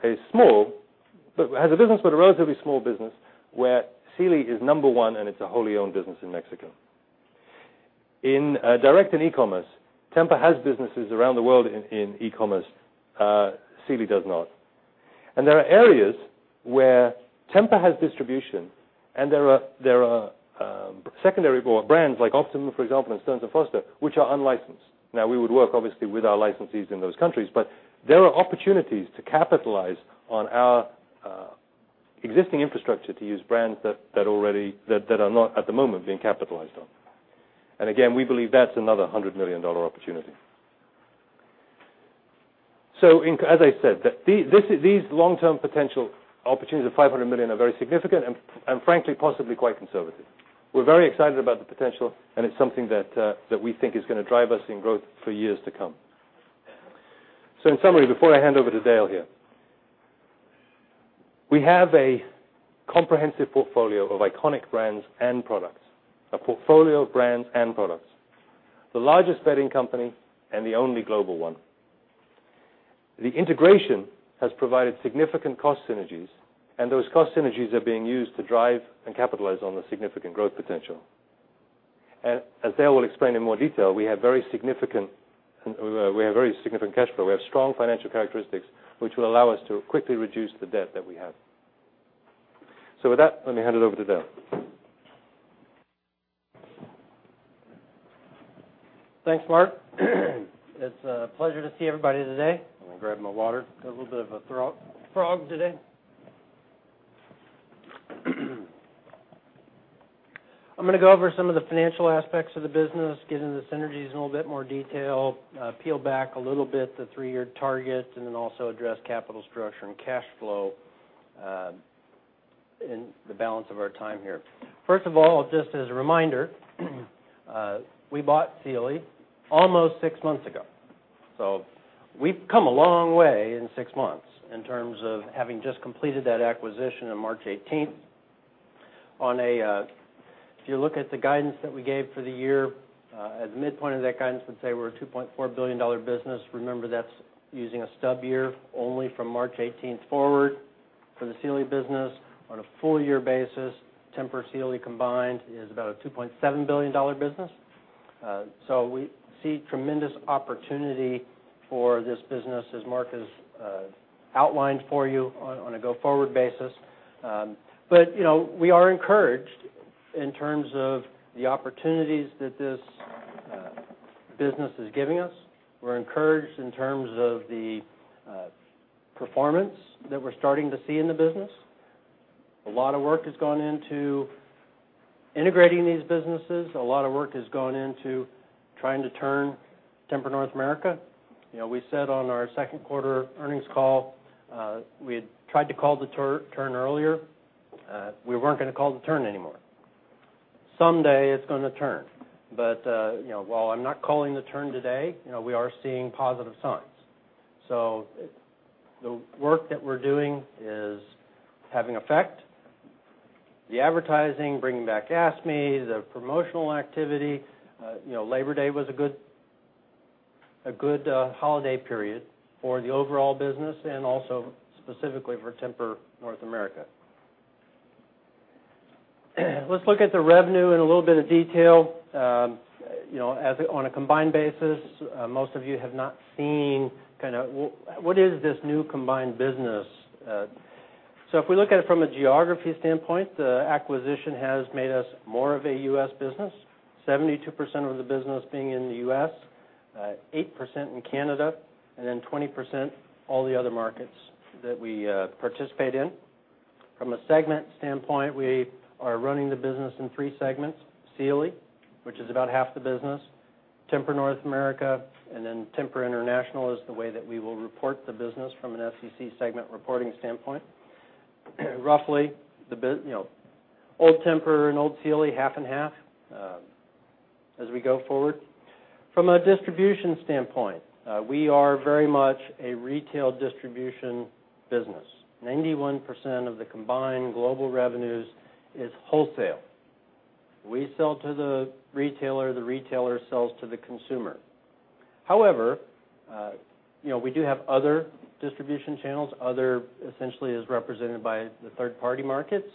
business, but a relatively small business where Sealy is number 1, and it's a wholly owned business in Mexico. In direct and e-commerce, Tempur has businesses around the world in e-commerce. Sealy does not. There are areas where Tempur has distribution, and there are secondary brands like Optimum, for example, and Stearns & Foster, which are unlicensed. We would work obviously with our licensees in those countries, but there are opportunities to capitalize on our existing infrastructure to use brands that are not at the moment being capitalized on. Again, we believe that's another $100 million opportunity. As I said, these long-term potential opportunities of $500 million are very significant and frankly, possibly quite conservative. We're very excited about the potential, and it's something that we think is going to drive us in growth for years to come. In summary, before I hand over to Dale here, we have a comprehensive portfolio of iconic brands and products, a portfolio of brands and products. The largest bedding company and the only global one. The integration has provided significant cost synergies, and those cost synergies are being used to drive and capitalize on the significant growth potential. As Dale will explain in more detail, we have very significant cash flow. We have strong financial characteristics, which will allow us to quickly reduce the debt that we have. With that, let me hand it over to Dale. Thanks, Mark. It's a pleasure to see everybody today. I'm gonna grab my water. Got a little bit of a throat frog today. I'm gonna go over some of the financial aspects of the business, get into the synergies in a little bit more detail, peel back a little bit the three-year targets, and then also address capital structure and cash flow in the balance of our time here. First of all, just as a reminder, we bought Sealy almost six months ago. We've come a long way in six months in terms of having just completed that acquisition on March 18th. If you look at the guidance that we gave for the year, at the midpoint of that guidance, let's say we're a $2.4 billion business. Remember, that's using a stub year only from March 18th forward for the Sealy business. On a full year basis, Tempur Sealy combined is about a $2.7 billion business. We see tremendous opportunity for this business, as Mark has outlined for you on a go-forward basis. We're encouraged in terms of the opportunities that this business is giving us. We're encouraged in terms of the performance that we're starting to see in the business. A lot of work has gone into integrating these businesses. A lot of work has gone into trying to turn Tempur North America. We said on our second quarter earnings call, we had tried to call the turn earlier. We weren't going to call the turn anymore. Someday it's going to turn. While I'm not calling the turn today, we are seeing positive signs. The work that we're doing is having effect. The advertising, bringing back Ask Me, the promotional activity. Labor Day was a good holiday period for the overall business and also specifically for Tempur North America. Let's look at the revenue in a little bit of detail. On a combined basis, most of you have not seen what is this new combined business. If we look at it from a geography standpoint, the acquisition has made us more of a U.S. business, 72% of the business being in the U.S., 8% in Canada, and then 20% all the other markets that we participate in. From a segment standpoint, we are running the business in three segments. Sealy, which is about half the business, Tempur North America, Tempur International is the way that we will report the business from an SEC segment reporting standpoint. Roughly, old Tempur and old Sealy, half and half as we go forward. From a distribution standpoint, we are very much a retail distribution business. 91% of the combined global revenues is wholesale. We sell to the retailer, the retailer sells to the consumer. However, we do have other distribution channels. Other essentially is represented by the third-party markets,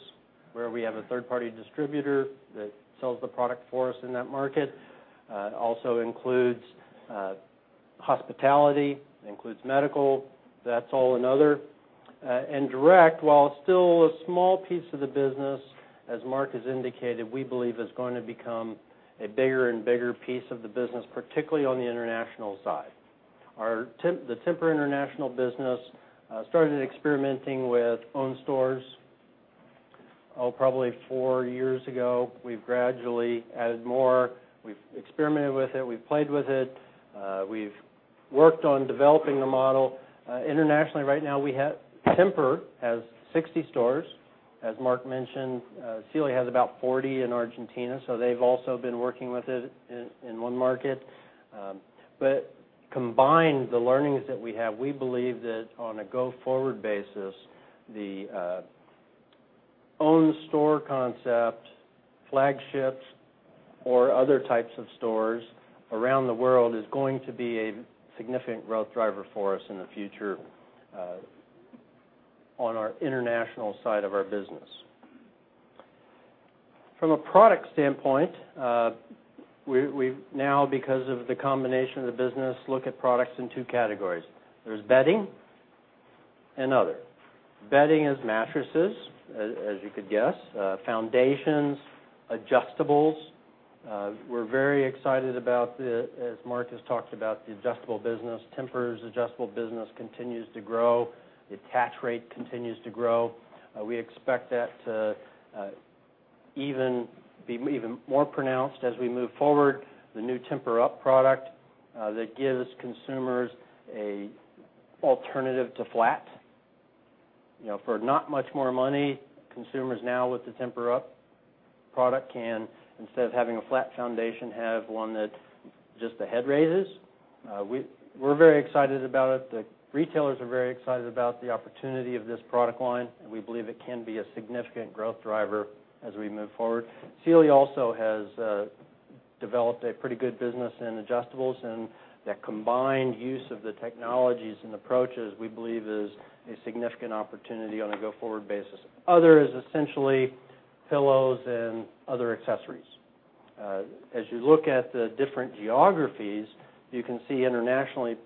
where we have a third-party distributor that sells the product for us in that market. Also includes hospitality, includes medical. That's all in other. Direct, while still a small piece of the business, as Mark has indicated, we believe is going to become a bigger and bigger piece of the business, particularly on the international side. The Tempur International business started experimenting with own stores, oh, probably four years ago. We've gradually added more. We've experimented with it. We've played with it. We've worked on developing the model internationally. Right now Tempur has 60 stores, as Mark mentioned. Sealy has about 40 in Argentina, they've also been working with it in one market. Combined, the learnings that we have, we believe that on a go-forward basis, the own store concept, flagships or other types of stores around the world is going to be a significant growth driver for us in the future on our international side of our business. From a product standpoint, we've now, because of the combination of the business, look at products in two categories. There's bedding and other. Bedding is mattresses, as you could guess, foundations, adjustables. We're very excited about, as Mark has talked about, the adjustable business. Tempur's adjustable business continues to grow. The attach rate continues to grow. We expect that to be even more pronounced as we move forward. The new TEMPUR-Up product that gives consumers an alternative to flat. For not much more money, consumers now with the TEMPUR-Up product can, instead of having a flat foundation, have one that's just the head raises. We're very excited about it. The retailers are very excited about the opportunity of this product line, and we believe it can be a significant growth driver as we move forward. Sealy also has developed a pretty good business in adjustables, and that combined use of the technologies and approaches, we believe is a significant opportunity on a go-forward basis. Other is essentially pillows and other accessories. As you look at the different geographies, you can see internationally,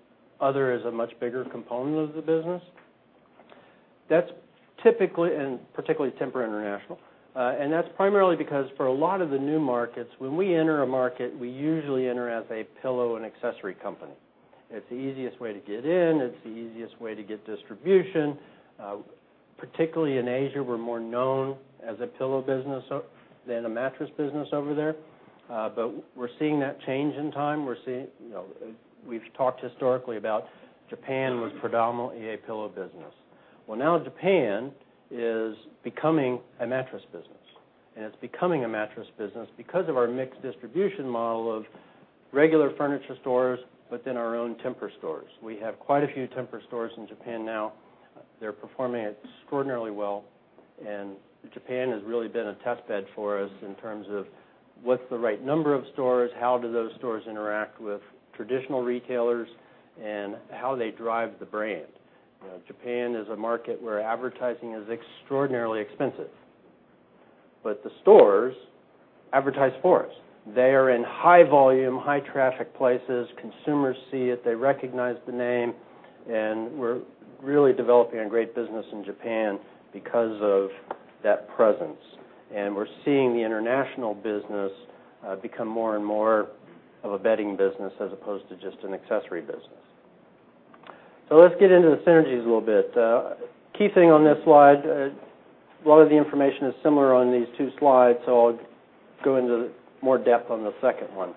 other is a much bigger component of the business. That's typically and particularly Tempur International. That's primarily because for a lot of the new markets, when we enter a market, we usually enter as a pillow and accessory company. It's the easiest way to get in. It's the easiest way to get distribution. Particularly in Asia, we're more known as a pillow business than a mattress business over there. But we're seeing that change in time. We've talked historically about Japan was predominantly a pillow business. Well, now Japan is becoming a mattress business. And it's becoming a mattress business because of our mixed distribution model of regular furniture stores within our own Tempur stores. We have quite a few Tempur stores in Japan now. They're performing extraordinarily well, and Japan has really been a test bed for us in terms of what's the right number of stores, how do those stores interact with traditional retailers, and how they drive the brand. Japan is a market where advertising is extraordinarily expensive, but the stores advertise for us. They are in high-volume, high-traffic places. Consumers see it, they recognize the name, and we're really developing a great business in Japan because of that presence. We're seeing the international business become more and more of a bedding business as opposed to just an accessory business. Let's get into the synergies a little bit. Key thing on this slide, a lot of the information is similar on these two slides, so I'll go into more depth on the second one.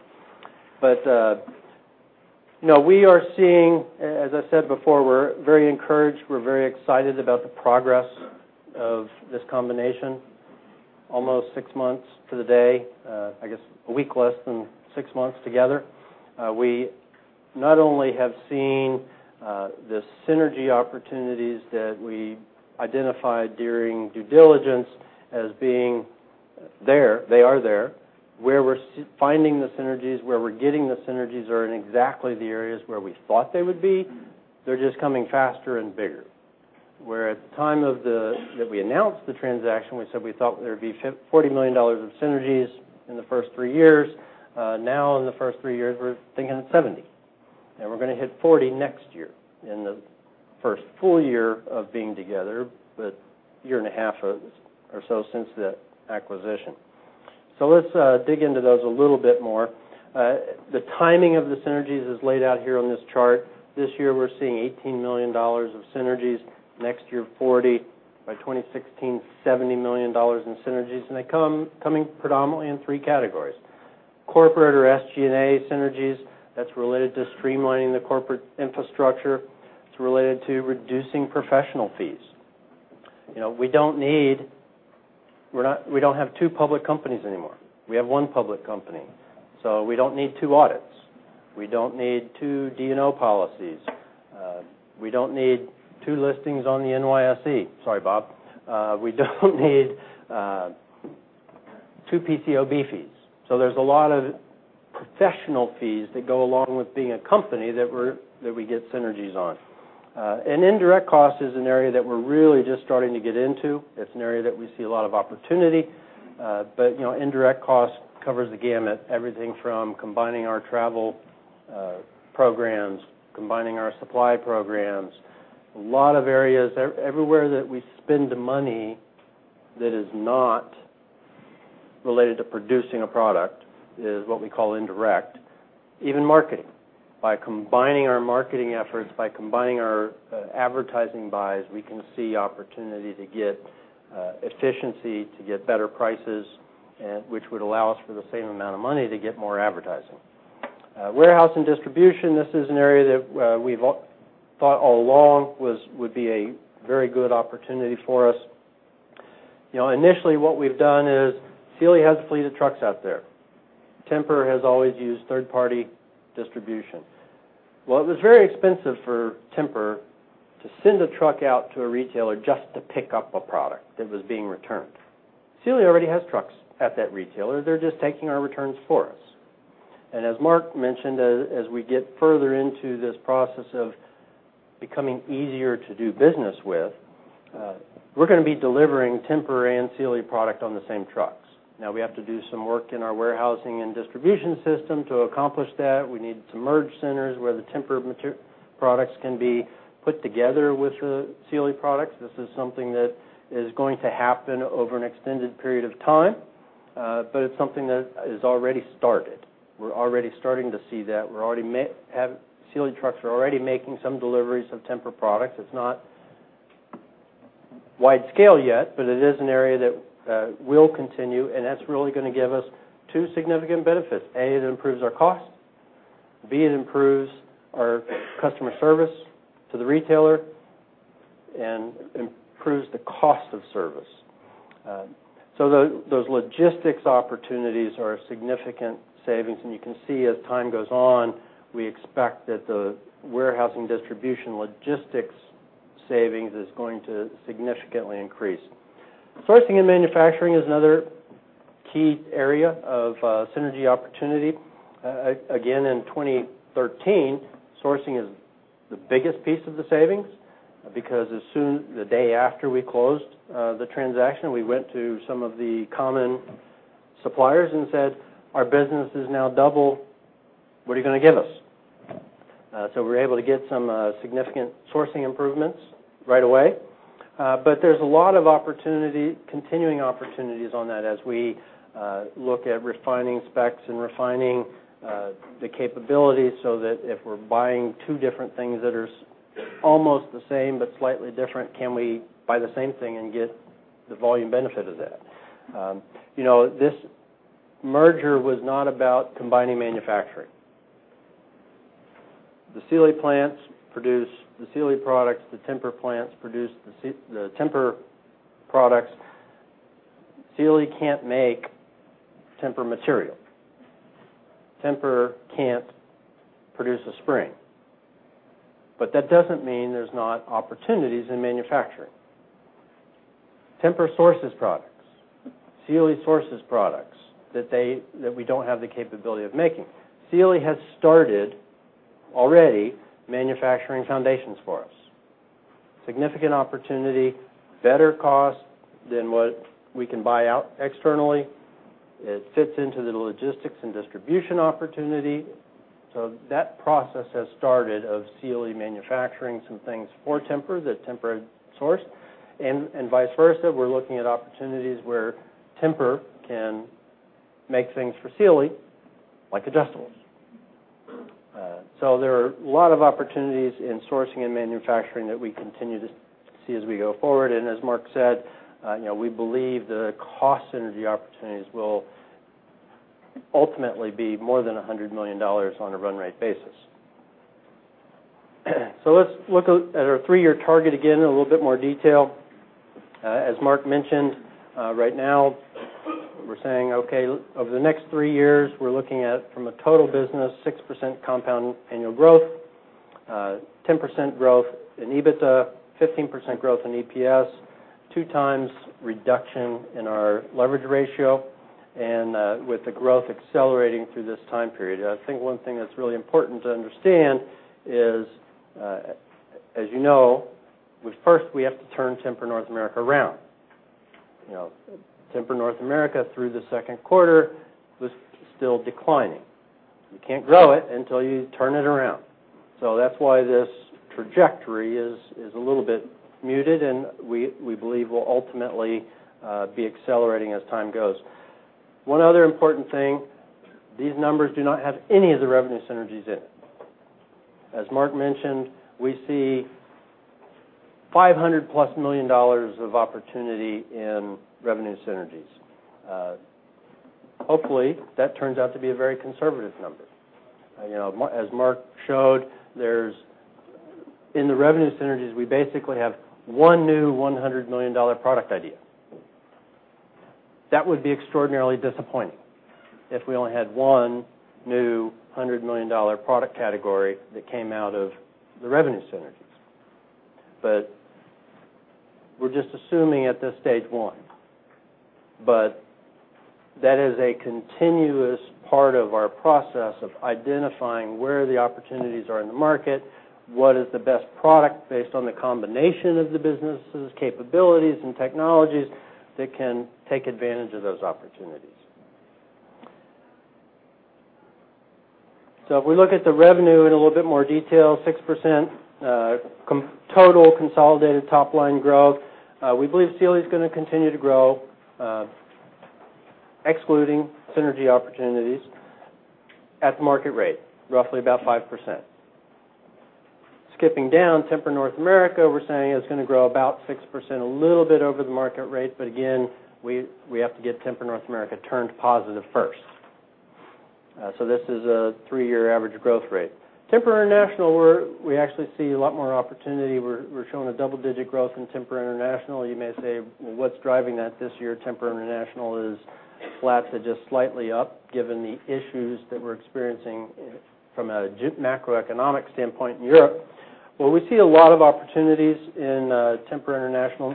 We are seeing, as I said before, we're very encouraged, we're very excited about the progress of this combination. Almost six months to the day. I guess a week less than six months together. We not only have seen the synergy opportunities that we identified during due diligence as being there, they are there. Where we're finding the synergies, where we're getting the synergies are in exactly the areas where we thought they would be. They're just coming faster and bigger. Where at the time that we announced the transaction, we said we thought there'd be $40 million of synergies in the first three years. Now in the first three years, we're thinking of $70 million. And we're going to hit $40 million next year in the first full year of being together, but a year and a half or so since the acquisition. Let's dig into those a little bit more. The timing of the synergies is laid out here on this chart. This year we're seeing $18 million of synergies. Next year, $40 million. By 2016, $70 million in synergies. They're coming predominantly in three categories. Corporate or SG&A synergies, that's related to streamlining the corporate infrastructure. It's related to reducing professional fees. We don't have two public companies anymore. We have one public company. We don't need two audits. We don't need two D&O policies. We don't need two listings on the NYSE. Sorry, Bob. We don't need two PCAOB fees. There's a lot of professional fees that go along with being a company that we get synergies on. Indirect cost is an area that we're really just starting to get into. It's an area that we see a lot of opportunity. Indirect cost covers the gamut. Everything from combining our travel programs, combining our supply programs. A lot of areas. Everywhere that we spend the money that is not related to producing a product is what we call indirect. Even marketing. By combining our marketing efforts, by combining our advertising buys, we can see opportunity to get efficiency, to get better prices, which would allow us for the same amount of money to get more advertising. Warehouse and distribution, this is an area that we've thought all along would be a very good opportunity for us. Initially, what we've done is Sealy has a fleet of trucks out there. Tempur has always used third-party distribution. Well, it was very expensive for Tempur to send a truck out to a retailer just to pick up a product that was being returned. Sealy already has trucks at that retailer. They're just taking our returns for us. As Mark mentioned, as we get further into this process of becoming easier to do business with, we're going to be delivering Tempur and Sealy product on the same trucks. Now we have to do some work in our warehousing and distribution system to accomplish that. We need to merge centers where the Tempur products can be put together with the Sealy products. This is something that is going to happen over an extended period of time, but it's something that has already started. We're already starting to see that. Sealy trucks are already making some deliveries of Tempur products. It's not wide scale yet, but it is an area that will continue, and that's really going to give us two significant benefits. A, it improves our cost B, it improves our customer service to the retailer and improves the cost of service. Those logistics opportunities are significant savings. You can see as time goes on, we expect that the warehousing distribution logistics savings is going to significantly increase. Sourcing and manufacturing is another key area of synergy opportunity. Again, in 2013, sourcing is the biggest piece of the savings because the day after we closed the transaction, we went to some of the common suppliers and said, "Our business is now double. What are you going to give us?" We were able to get some significant sourcing improvements right away. There's a lot of continuing opportunities on that as we look at refining specs and refining the capabilities so that if we're buying two different things that are almost the same but slightly different, can we buy the same thing and get the volume benefit of that? This merger was not about combining manufacturing. The Sealy plants produce the Sealy products, the Tempur plants produce the Tempur products. Sealy can't make Tempur material. Tempur can't produce a spring. That doesn't mean there's not opportunities in manufacturing. Tempur sources products, Sealy sources products that we don't have the capability of making. Sealy has started already manufacturing foundations for us. Significant opportunity, better cost than what we can buy out externally. It fits into the logistics and distribution opportunity. That process has started of Sealy manufacturing some things for Tempur that Tempur had sourced, and vice versa. We're looking at opportunities where Tempur can make things for Sealy, like adjustables. There are a lot of opportunities in sourcing and manufacturing that we continue to see as we go forward, and as Mark said, we believe the cost synergy opportunities will ultimately be more than $100 million on a run rate basis. Let's look at our three-year target again in a little bit more detail. As Mark mentioned, right now we're saying, okay, over the next three years, we're looking at, from a total business, 6% compound annual growth, 10% growth in EBITDA, 15% growth in EPS, two times reduction in our leverage ratio, and with the growth accelerating through this time period. I think one thing that's really important to understand is, as you know, first we have to turn Tempur North America around. Tempur North America, through the second quarter, was still declining. You can't grow it until you turn it around. That's why this trajectory is a little bit muted, and we believe will ultimately be accelerating as time goes. One other important thing, these numbers do not have any of the revenue synergies in it. As Mark mentioned, we see $500-plus million of opportunity in revenue synergies. Hopefully, that turns out to be a very conservative number. As Mark showed, in the revenue synergies, we basically have one new $100 million product idea. That would be extraordinarily disappointing if we only had one new $100 million product category that came out of the revenue synergies. We're just assuming at this stage, one. That is a continuous part of our process of identifying where the opportunities are in the market, what is the best product based on the combination of the businesses' capabilities and technologies that can take advantage of those opportunities. If we look at the revenue in a little bit more detail, 6% total consolidated top-line growth. We believe Sealy's going to continue to grow, excluding synergy opportunities, at the market rate, roughly about 5%. Skipping down, Tempur North America, we're saying it's going to grow about 6%, a little bit over the market rate, but again, we have to get Tempur North America turned positive first. This is a three-year average growth rate. Tempur International, we actually see a lot more opportunity. We're showing a double-digit growth in Tempur International. You may say, "Well, what's driving that this year?" Tempur International is flat to just slightly up, given the issues that we're experiencing from a macroeconomic standpoint in Europe. We see a lot of opportunities in Tempur International.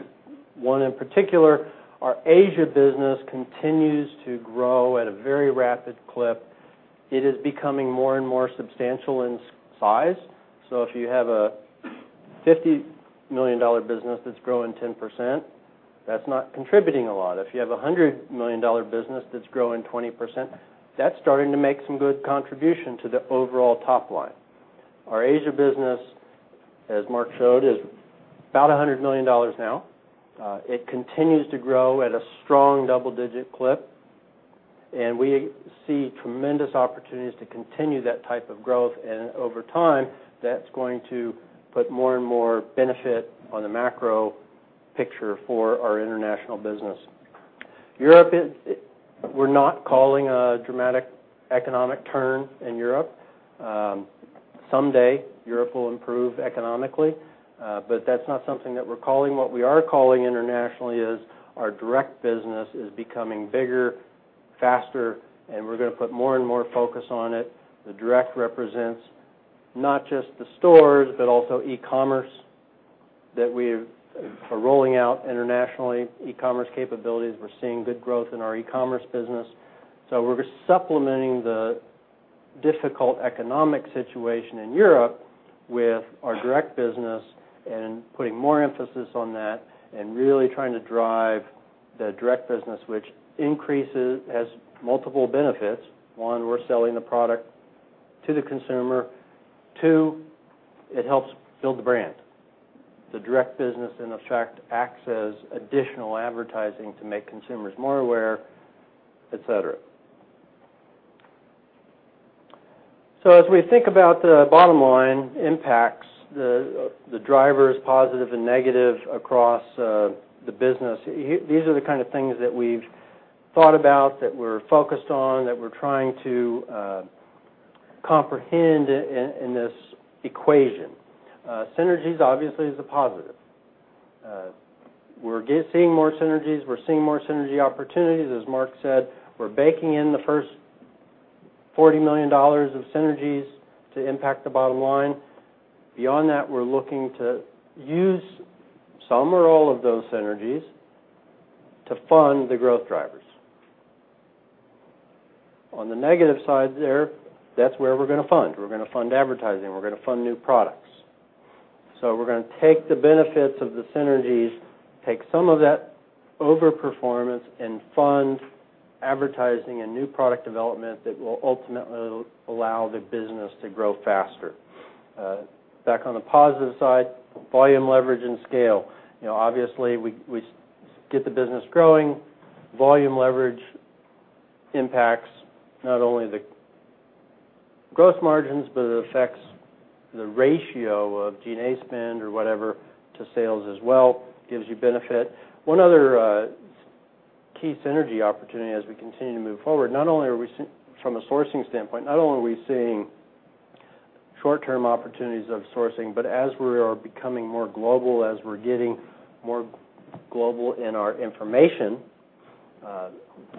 One in particular, our Asia business continues to grow at a very rapid clip. It is becoming more and more substantial in size. If you have a $50 million business that's growing 10%, that's not contributing a lot. If you have a $100 million business that's growing 20%, that's starting to make some good contribution to the overall top line. Our Asia business, as Mark showed, is about $100 million now. It continues to grow at a strong double-digit clip. We see tremendous opportunities to continue that type of growth, and over time, that's going to put more and more benefit on the macro picture for our international business. Europe, we're not calling a dramatic economic turn in Europe. Someday Europe will improve economically, but that's not something that we're calling. What we are calling internationally is our direct business is becoming bigger, faster. We're going to put more and more focus on it. The direct represents not just the stores, but also e-commerce that we are rolling out internationally, e-commerce capabilities. We're seeing good growth in our e-commerce business. We're supplementing the difficult economic situation in Europe with our direct business and putting more emphasis on that and really trying to drive the direct business, which has multiple benefits. One, we're selling the product to the consumer. Two, it helps build the brand. The direct business, in effect, acts as additional advertising to make consumers more aware, et cetera. As we think about the bottom line impacts, the drivers, positive and negative, across the business, these are the kind of things that we've thought about, that we're focused on, that we're trying to comprehend in this equation. Synergies, obviously, is a positive. We're seeing more synergies. We're seeing more synergy opportunities. As Mark said, we're baking in the first $40 million of synergies to impact the bottom line. Beyond that, we're looking to use some or all of those synergies to fund the growth drivers. On the negative side there, that's where we're going to fund. We're going to fund advertising. We're going to fund new products. We're going to take the benefits of the synergies, take some of that over-performance, and fund advertising and new product development that will ultimately allow the business to grow faster. Back on the positive side, volume leverage and scale. Obviously, we get the business growing. Volume leverage impacts not only the gross margins, but it affects the ratio of G&A spend or whatever to sales as well. Gives you benefit. One other key synergy opportunity as we continue to move forward from a sourcing standpoint, not only are we seeing short-term opportunities of sourcing, but as we are becoming more global, as we're getting more global in our information,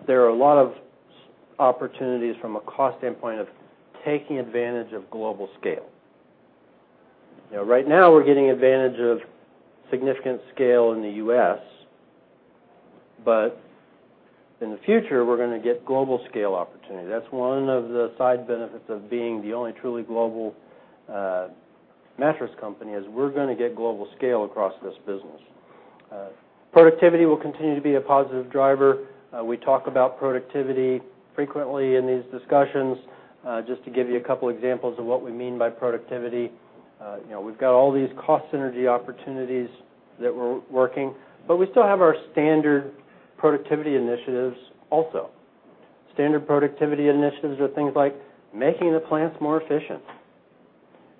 there are a lot of opportunities from a cost standpoint of taking advantage of global scale. Right now, we're getting advantage of significant scale in the U.S., but in the future, we're going to get global scale opportunity. That's one of the side benefits of being the only truly global mattress company is we're going to get global scale across this business. Productivity will continue to be a positive driver. We talk about productivity frequently in these discussions. Just to give you a couple examples of what we mean by productivity. We've got all these cost synergy opportunities that we're working, but we still have our standard productivity initiatives also. Standard productivity initiatives are things like making the plants more efficient,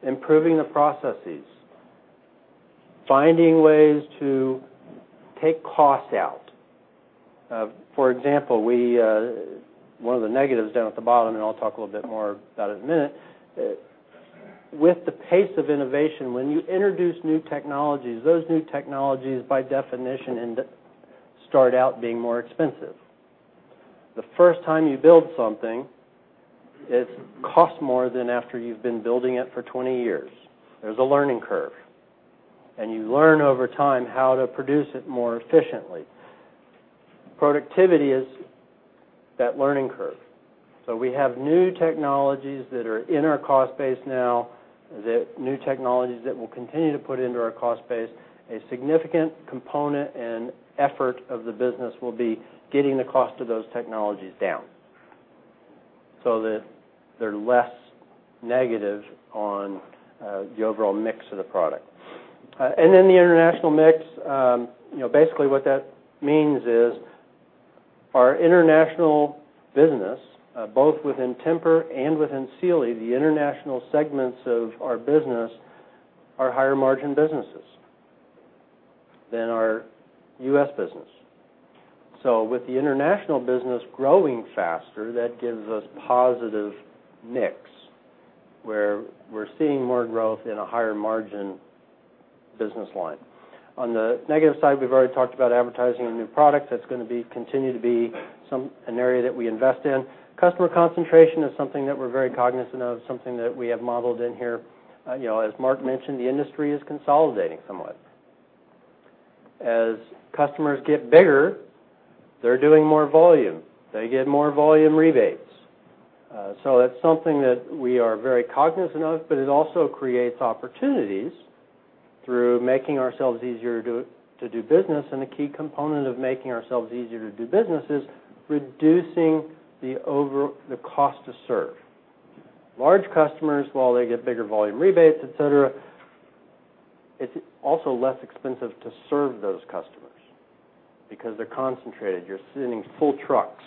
improving the processes, finding ways to take cost out. For example, one of the negatives down at the bottom. I'll talk a little bit more about it in a minute. With the pace of innovation, when you introduce new technologies, those new technologies, by definition, start out being more expensive. The first time you build something, it costs more than after you've been building it for 20 years. There's a learning curve, and you learn over time how to produce it more efficiently. Productivity is that learning curve. We have new technologies that are in our cost base now, new technologies that we'll continue to put into our cost base. A significant component and effort of the business will be getting the cost of those technologies down so that they're less negative on the overall mix of the product. The international mix. Basically what that means is our international business both within Tempur and within Sealy, the international segments of our business are higher margin businesses than our U.S. business. With the international business growing faster, that gives us positive mix where we're seeing more growth in a higher margin business line. On the negative side, we've already talked about advertising and new products. That's going to continue to be an area that we invest in. Customer concentration is something that we're very cognizant of, something that we have modeled in here. As Mark mentioned, the industry is consolidating somewhat. As customers get bigger, they're doing more volume. They get more volume rebates. That's something that we are very cognizant of, but it also creates opportunities through making ourselves easier to do business. A key component of making ourselves easier to do business is reducing the cost to serve. Large customers, while they get bigger volume rebates, etc., it's also less expensive to serve those customers because they're concentrated. You're sending full trucks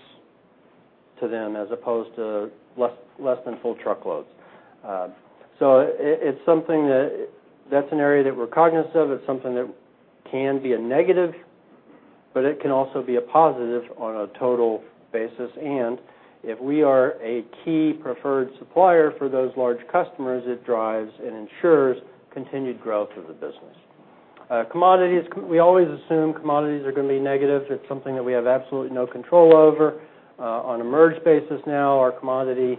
to them, as opposed to less than full truckloads. That's an area that we're cognizant of. It's something that can be a negative, but it can also be a positive on a total basis. If we are a key preferred supplier for those large customers, it drives and ensures continued growth of the business. Commodities, we always assume commodities are going to be negative. It's something that we have absolutely no control over. On a merged basis now, our commodity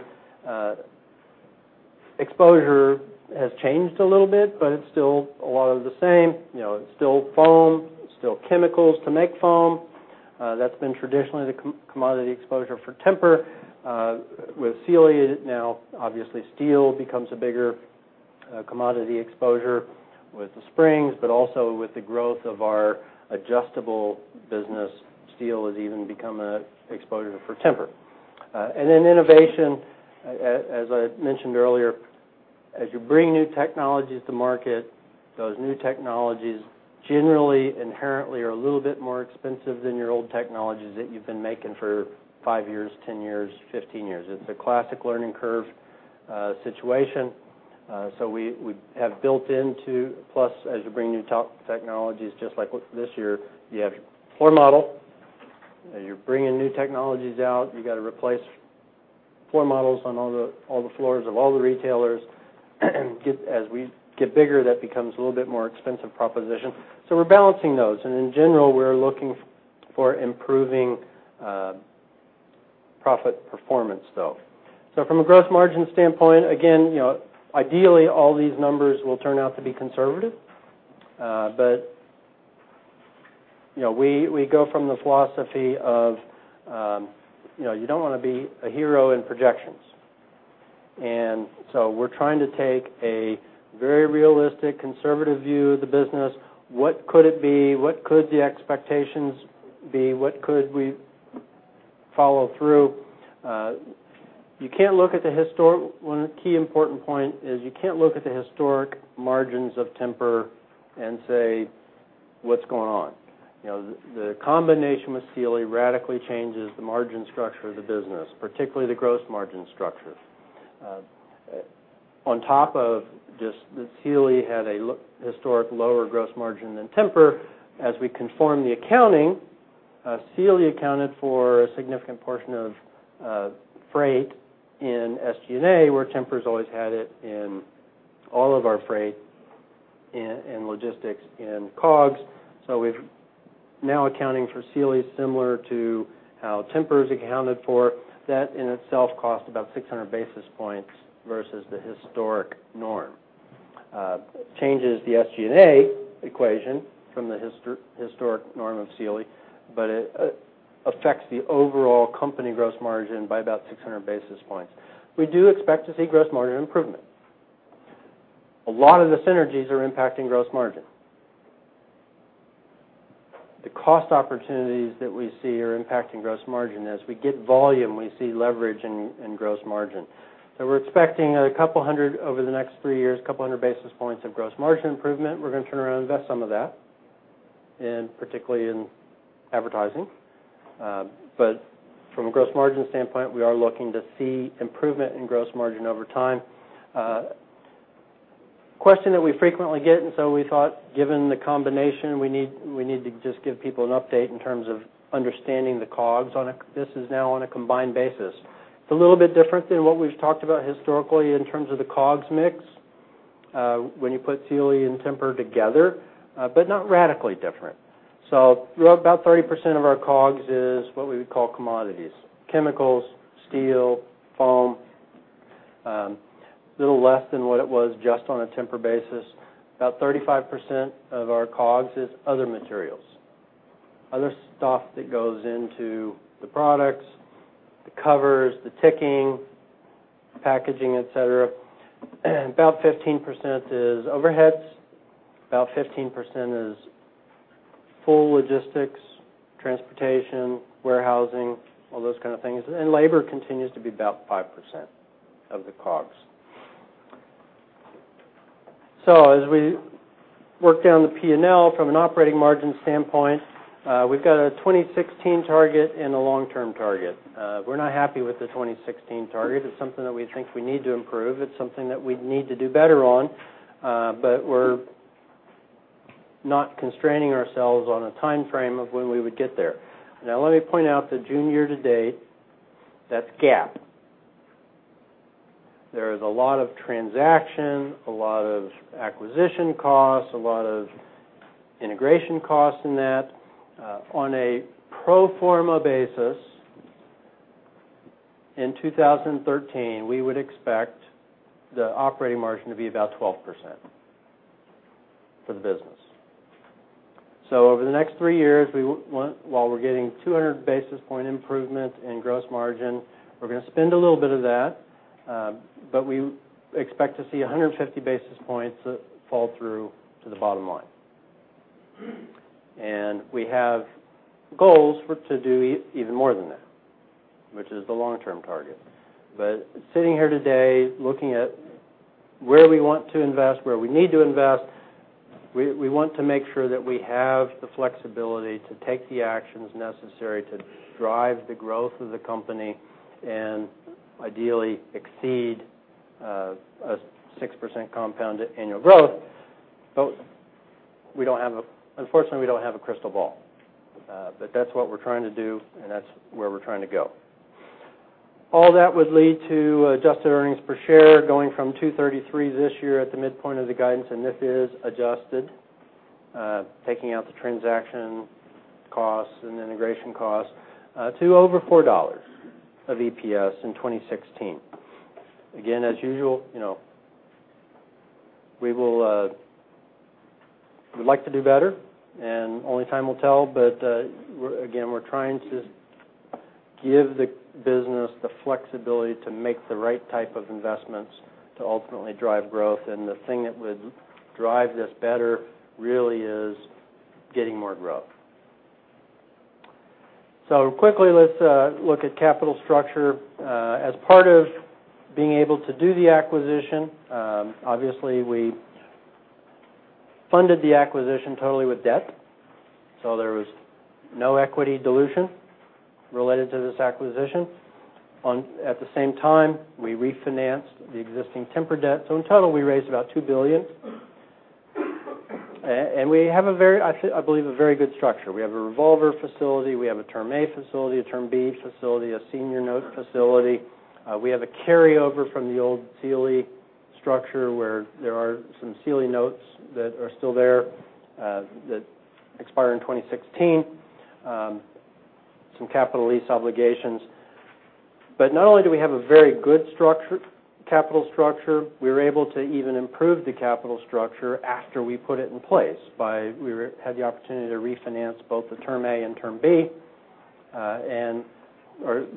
exposure has changed a little bit, but it's still a lot of the same. It's still foam, it's still chemicals to make foam. That's been traditionally the commodity exposure for Tempur. With Sealy now, obviously, steel becomes a bigger commodity exposure with the springs, but also with the growth of our adjustable business, steel has even become an exposure for Tempur. Innovation, as I mentioned earlier, as you bring new technologies to market, those new technologies generally inherently are a little bit more expensive than your old technologies that you've been making for 5 years, 10 years, 15 years. It's a classic learning curve situation. We have built in, as you bring new technologies, just like with this year, you have your floor model. You're bringing new technologies out. You've got to replace floor models on all the floors of all the retailers. As we get bigger, that becomes a little bit more expensive proposition. We're balancing those. In general, we're looking for improving profit performance, though. From a gross margin standpoint, again, ideally, all these numbers will turn out to be conservative. We go from the philosophy of you don't want to be a hero in projections. We're trying to take a very realistic, conservative view of the business. What could it be? What could the expectations be? What could we follow through? One key important point is you can't look at the historic margins of Tempur and say, "What's going on?" The combination with Sealy radically changes the margin structure of the business, particularly the gross margin structure. On top of just that Sealy had a historic lower gross margin than Tempur, as we conform the accounting, Sealy accounted for a significant portion of freight in SG&A, where Tempur's always had it in all of our freight and logistics in COGS. We're now accounting for Sealy similar to how Tempur is accounted for. That in itself cost about 600 basis points versus the historic norm. Changes the SG&A equation from the historic norm of Sealy. It affects the overall company gross margin by about 600 basis points. We do expect to see gross margin improvement. A lot of the synergies are impacting gross margin. The cost opportunities that we see are impacting gross margin. As we get volume, we see leverage in gross margin. We're expecting 200 over the next three years, 200 basis points of gross margin improvement. We're going to turn around and invest some of that, particularly in advertising. From a gross margin standpoint, we are looking to see improvement in gross margin over time. Question that we frequently get. We thought given the combination, we need to just give people an update in terms of understanding the COGS. This is now on a combined basis. It's a little bit different than what we've talked about historically in terms of the COGS mix when you put Sealy and Tempur together. Not radically different. About 30% of our COGS is what we would call commodities, chemicals, steel, foam. Little less than what it was just on a Tempur basis. About 35% of our COGS is other materials, other stuff that goes into the products, the covers, the ticking, packaging, et cetera. About 15% is overheads. About 15% is full logistics, transportation, warehousing, all those kind of things. Labor continues to be about 5% of the COGS. As we work down the P&L from an operating margin standpoint, we've got a 2016 target and a long-term target. We're not happy with the 2016 target. It's something that we think we need to improve. It's something that we need to do better on. We're not constraining ourselves on a time frame of when we would get there. Now, let me point out that June year-to-date, that's GAAP. There is a lot of transaction, a lot of acquisition costs, a lot of integration costs in that. On a pro forma basis, in 2013, we would expect the operating margin to be about 12% for the business. Over the next three years, while we're getting 200 basis point improvement in gross margin, we're going to spend a little bit of that. We expect to see 150 basis points fall through to the bottom line. We have goals to do even more than that, which is the long-term target. Sitting here today, looking at where we want to invest, where we need to invest We want to make sure that we have the flexibility to take the actions necessary to drive the growth of the company and ideally exceed a 6% compound annual growth. Unfortunately, we don't have a crystal ball. That's what we're trying to do, and that's where we're trying to go. All that would lead to adjusted earnings per share going from $2.33 this year at the midpoint of the guidance, and this is adjusted, taking out the transaction costs and integration costs, to over $4 of EPS in 2016. As usual, we'd like to do better, and only time will tell. We're trying to give the business the flexibility to make the right type of investments to ultimately drive growth. The thing that would drive this better really is getting more growth. Quickly, let's look at capital structure. As part of being able to do the acquisition, obviously, we funded the acquisition totally with debt. There was no equity dilution related to this acquisition. At the same time, we refinanced the existing Tempur debt. In total, we raised about $2 billion. We have, I believe, a very good structure. We have a revolver facility. We have a Term A facility, a Term B facility, a senior note facility. We have a carryover from the old Sealy structure, where there are some Sealy notes that are still there that expire in 2016. Some capital lease obligations. Not only do we have a very good capital structure, we were able to even improve the capital structure after we put it in place. We had the opportunity to refinance both the Term A and Term B.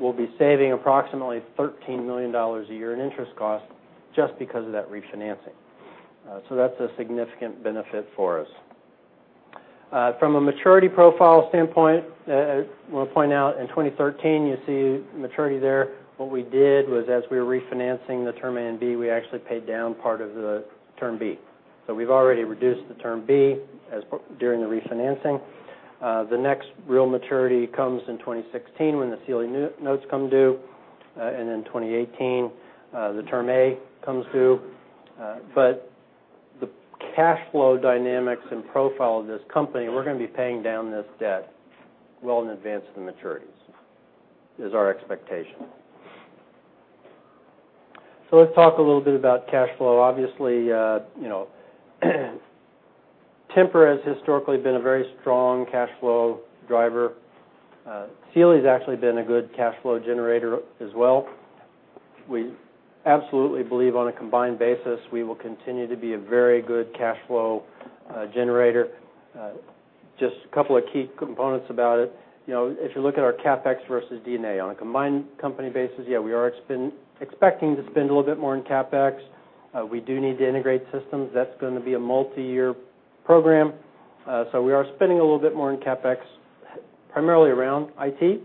We'll be saving approximately $13 million a year in interest costs just because of that refinancing. That's a significant benefit for us. From a maturity profile standpoint, I want to point out, in 2013, you see maturity there. What we did was, as we were refinancing the Term A and B, we actually paid down part of the Term B. We've already reduced the Term B during the refinancing. The next real maturity comes in 2016, when the Sealy notes come due. In 2018, the Term A comes due. The cash flow dynamics and profile of this company, we're going to be paying down this debt well in advance of the maturities, is our expectation. Let's talk a little bit about cash flow. Obviously, Tempur has historically been a very strong cash flow driver. Sealy's actually been a good cash flow generator as well. We absolutely believe, on a combined basis, we will continue to be a very good cash flow generator. Just a couple of key components about it. If you look at our CapEx versus D&A on a combined company basis, yeah, we are expecting to spend a little bit more on CapEx. We do need to integrate systems. That's going to be a multi-year program. We are spending a little bit more on CapEx, primarily around IT,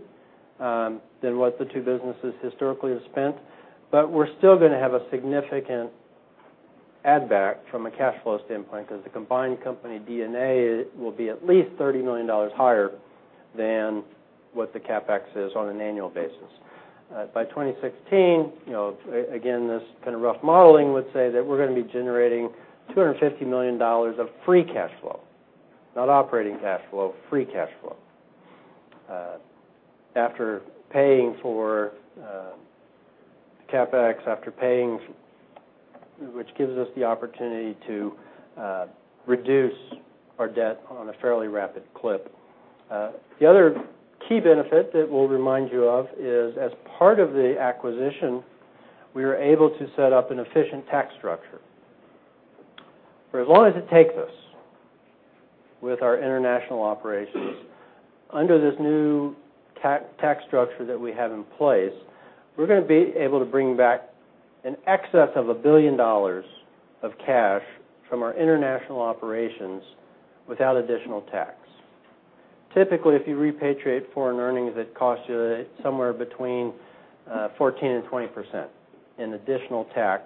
than what the two businesses historically have spent. We're still going to have a significant add-back from a cash flow standpoint, because the combined company D&A will be at least $30 million higher than what the CapEx is on an annual basis. By 2016, again, this kind of rough modeling would say that we're going to be generating $250 million of free cash flow. Not operating cash flow, free cash flow. After paying for CapEx. Which gives us the opportunity to reduce our debt on a fairly rapid clip. The other key benefit that we'll remind you of is, as part of the acquisition, we were able to set up an efficient tax structure. For as long as it takes us with our international operations, under this new tax structure that we have in place, we're going to be able to bring back in excess of $1 billion of cash from our international operations without additional tax. Typically, if you repatriate foreign earnings, it costs you somewhere between 14%-20% in additional tax.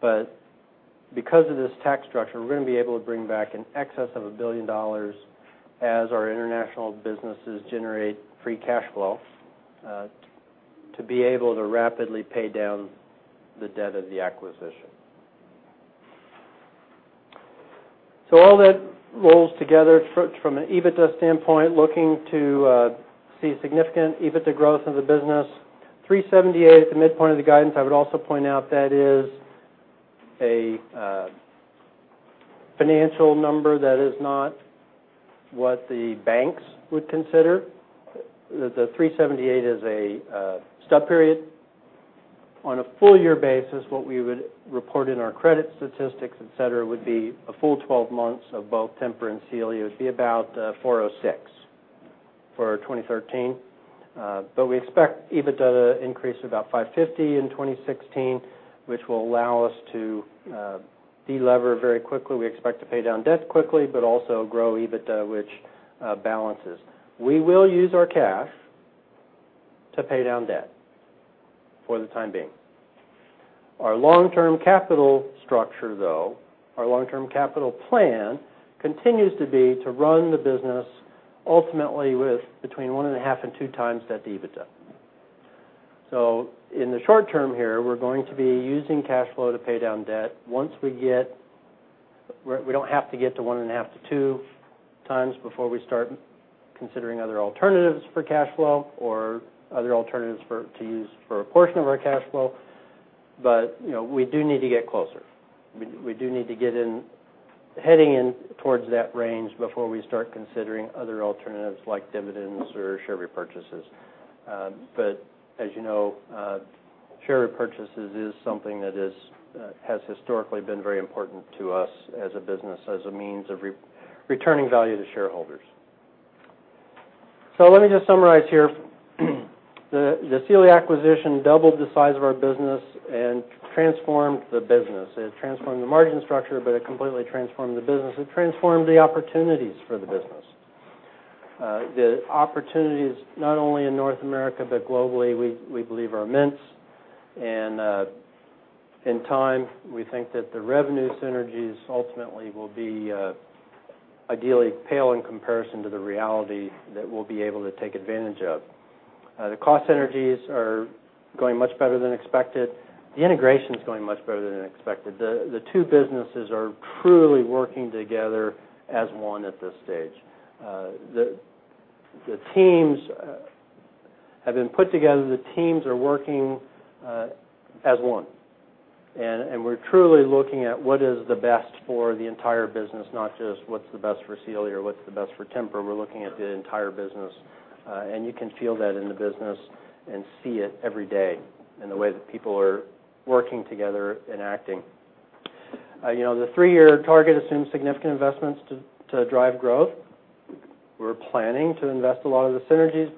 Because of this tax structure, we're going to be able to bring back in excess of $1 billion as our international businesses generate free cash flow to be able to rapidly pay down the debt of the acquisition. All that rolls together from an EBITDA standpoint, looking to see significant EBITDA growth in the business. $378 at the midpoint of the guidance. I would also point out that is a financial number that is not what the banks would consider. The $378 is a stub period. On a full-year basis, what we would report in our credit statistics, et cetera, would be a full 12 months of both Tempur and Sealy. It would be about $406 for 2013. We expect EBITDA to increase to about $550 in 2016, which will allow us to de-lever very quickly. We expect to pay down debt quickly but also grow EBITDA, which balances. We will use our cash to pay down debt for the time being. Our long-term capital structure, though, our long-term capital plan continues to be to run the business ultimately with between 1.5 and 2 times that EBITDA. In the short term here, we're going to be using cash flow to pay down debt. We don't have to get to 1.5 to 2 times before we start considering other alternatives for cash flow or other alternatives to use for a portion of our cash flow. We do need to get closer. We do need to get heading towards that range before we start considering other alternatives like dividends or share repurchases. As you know, share repurchases is something that has historically been very important to us as a business, as a means of returning value to shareholders. Let me just summarize here. The Sealy acquisition doubled the size of our business and transformed the business. It transformed the margin structure, but it completely transformed the business. It transformed the opportunities for the business. The opportunities, not only in North America, but globally, we believe are immense. In time, we think that the revenue synergies ultimately will ideally pale in comparison to the reality that we'll be able to take advantage of. The cost synergies are going much better than expected. The integration's going much better than expected. The two businesses are truly working together as one at this stage. The teams have been put together. The teams are working as one, we're truly looking at what is the best for the entire business, not just what's the best for Sealy or what's the best for Tempur. We're looking at the entire business. You can feel that in the business and see it every day in the way that people are working together and acting. The three-year target assumes significant investments to drive growth. We're planning to invest a lot of the synergies.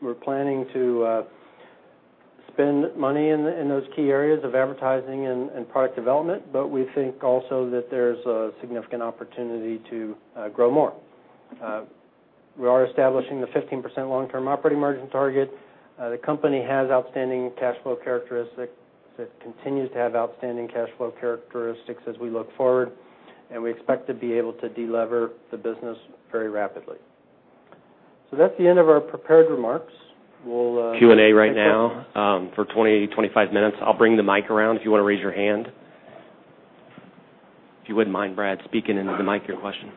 We're planning to spend money in those key areas of advertising and product development, but we think also that there's a significant opportunity to grow more. We are establishing the 15% long-term operating margin target. The company has outstanding cash flow characteristics. It continues to have outstanding cash flow characteristics as we look forward, and we expect to be able to de-lever the business very rapidly. That's the end of our prepared remarks. Q&A right now for 20-25 minutes. I'll bring the mic around if you want to raise your hand. If you wouldn't mind, Brad, speaking into the mic your question.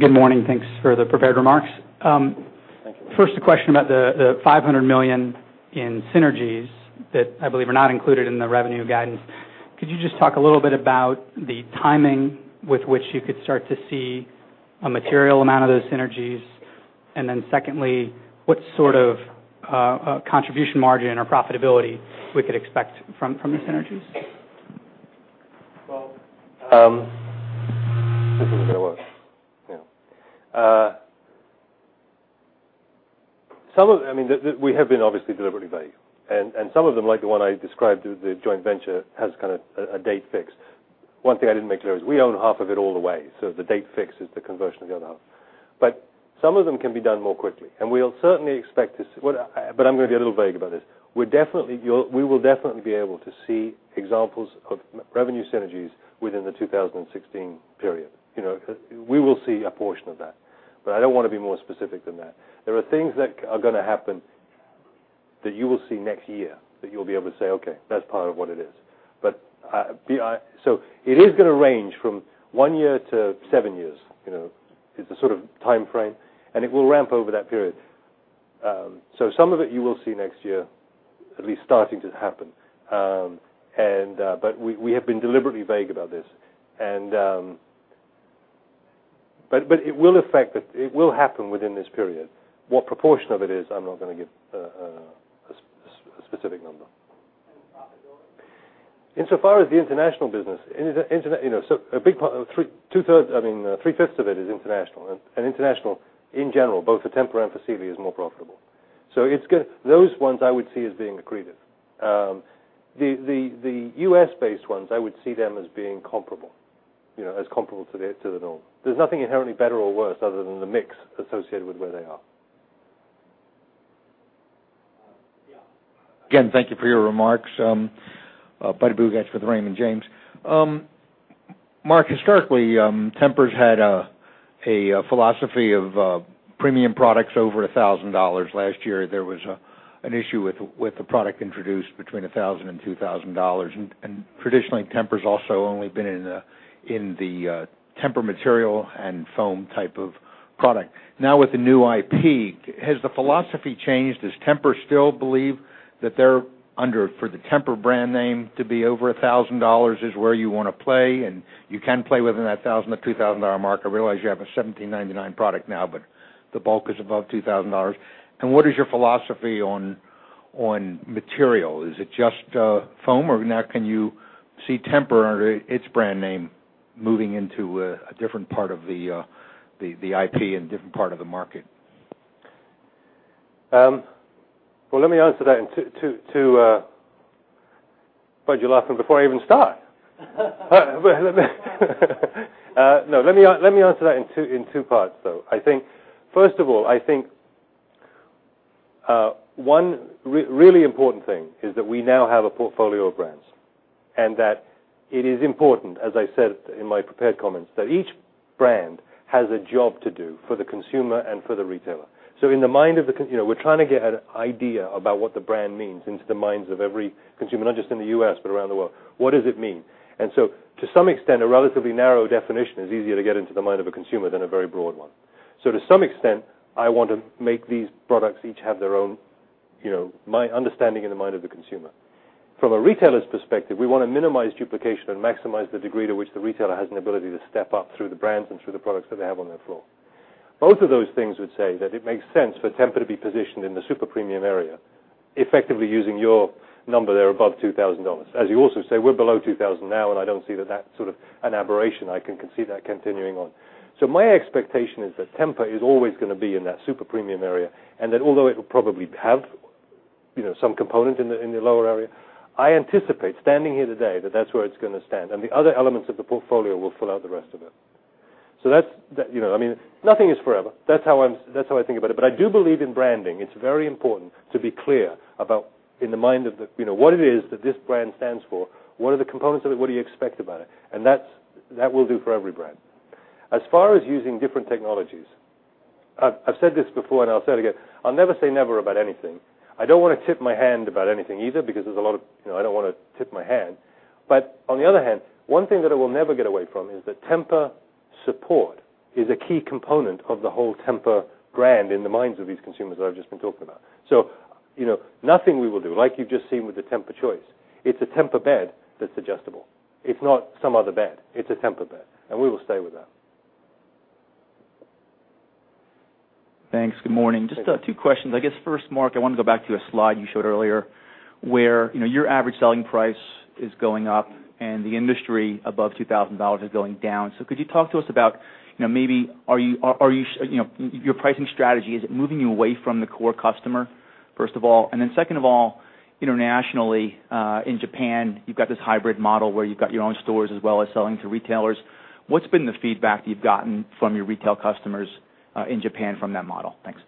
Good morning. Thanks for the prepared remarks. Thank you. First, a question about the $500 million in synergies that I believe are not included in the revenue guidance. Could you just talk a little bit about the timing with which you could start to see a material amount of those synergies? Secondly, what sort of contribution margin or profitability we could expect from those synergies? Well. This isn't going to work. Yeah. We have been obviously deliberately vague, Some of them, like the one I described, the joint venture, has a date fixed. One thing I didn't make clear is we own half of it all the way. The date fixed is the conversion of the other half. Some of them can be done more quickly. I'm going to be a little vague about this. We will definitely be able to see examples of revenue synergies within the 2016 period. We will see a portion of that, I don't want to be more specific than that. There are things that are going to happen that you will see next year that you'll be able to say, "Okay, that's part of what it is." It is going to range from one year to seven years, is the sort of timeframe, It will ramp over that period. Some of it you will see next year at least starting to happen. We have been deliberately vague about this. It will happen within this period. What proportion of it is, I'm not going to give a specific number. Profitability? In so far as the international business, three-fifths of it is international. International, in general, both for Tempur and for Sealy, is more profitable. Those ones I would see as being accretive. The U.S.-based ones, I would see them as being comparable, as comparable to the norm. There's nothing inherently better or worse other than the mix associated with where they are. Yeah. Again, thank you for your remarks. Bobby Griffin with Raymond James. Mark, historically, Tempur's had a philosophy of premium products over $1,000. Last year, there was an issue with the product introduced between $1,000 and $2,000. Traditionally, Tempur's also only been in the Tempur material and foam type of product. Now with the new IP, has the philosophy changed? Does Tempur still believe that for the Tempur brand name to be over $1,000 is where you want to play and you can play within that $1,000 to $2,000 mark? I realize you have a $1,799 product now, but the bulk is above $2,000. What is your philosophy on material? Is it just foam, or now can you see Tempur under its brand name moving into a different part of the IP and different part of the market? Well, let me answer that in two. Why'd you laugh before I even start? No, let me answer that in two parts, though. First of all, I think one really important thing is that we now have a portfolio of brands, and that it is important, as I said in my prepared comments, that each brand has a job to do for the consumer and for the retailer. We're trying to get an idea about what the brand means into the minds of every consumer, not just in the U.S., but around the world. What does it mean? To some extent, a relatively narrow definition is easier to get into the mind of a consumer than a very broad one. To some extent, I want to make these products each have their own understanding in the mind of the consumer. From a retailer's perspective, we want to minimize duplication and maximize the degree to which the retailer has an ability to step up through the brands and through the products that they have on their floor. Both of those things would say that it makes sense for Tempur to be positioned in the super premium area, effectively using your number there above $2,000. As you also say, we're below $2,000 now, I don't see that sort of an aberration. I can see that continuing on. My expectation is that Tempur is always going to be in that super premium area, and that although it will probably have some component in the lower area, I anticipate standing here today that that's where it's going to stand. The other elements of the portfolio will fill out the rest of it. Nothing is forever. That's how I think about it. I do believe in branding. It's very important to be clear about what it is that this brand stands for. What are the components of it? What do you expect about it? That will do for every brand. As far as using different technologies, I've said this before, and I'll say it again. I'll never say never about anything. I don't want to tip my hand about anything either, because I don't want to tip my hand. On the other hand, one thing that I will never get away from is that Tempur support is a key component of the whole Tempur brand in the minds of these consumers that I've just been talking about. Nothing we will do, like you've just seen with the TEMPUR-Choice. It's a Tempur bed that's adjustable. It's not some other bed. It's a Tempur bed, we will stay with that. Thanks. Good morning. Good morning. Just two questions. I guess first, Mark, I want to go back to a slide you showed earlier where your average selling price is going up and the industry above $2,000 is going down. Could you talk to us about your pricing strategy? Is it moving you away from the core customer, first of all? Second of all, internationally, in Japan, you've got this hybrid model where you've got your own stores as well as selling to retailers. What's been the feedback you've gotten from your retail customers in Japan from that model? Thanks.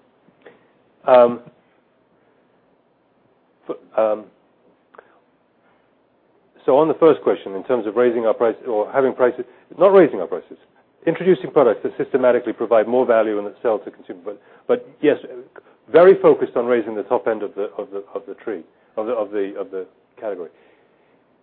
On the first question, in terms of raising our price or having prices Not raising our prices. Introducing products that systematically provide more value and that sell to consumers. Yes, very focused on raising the top end of the category.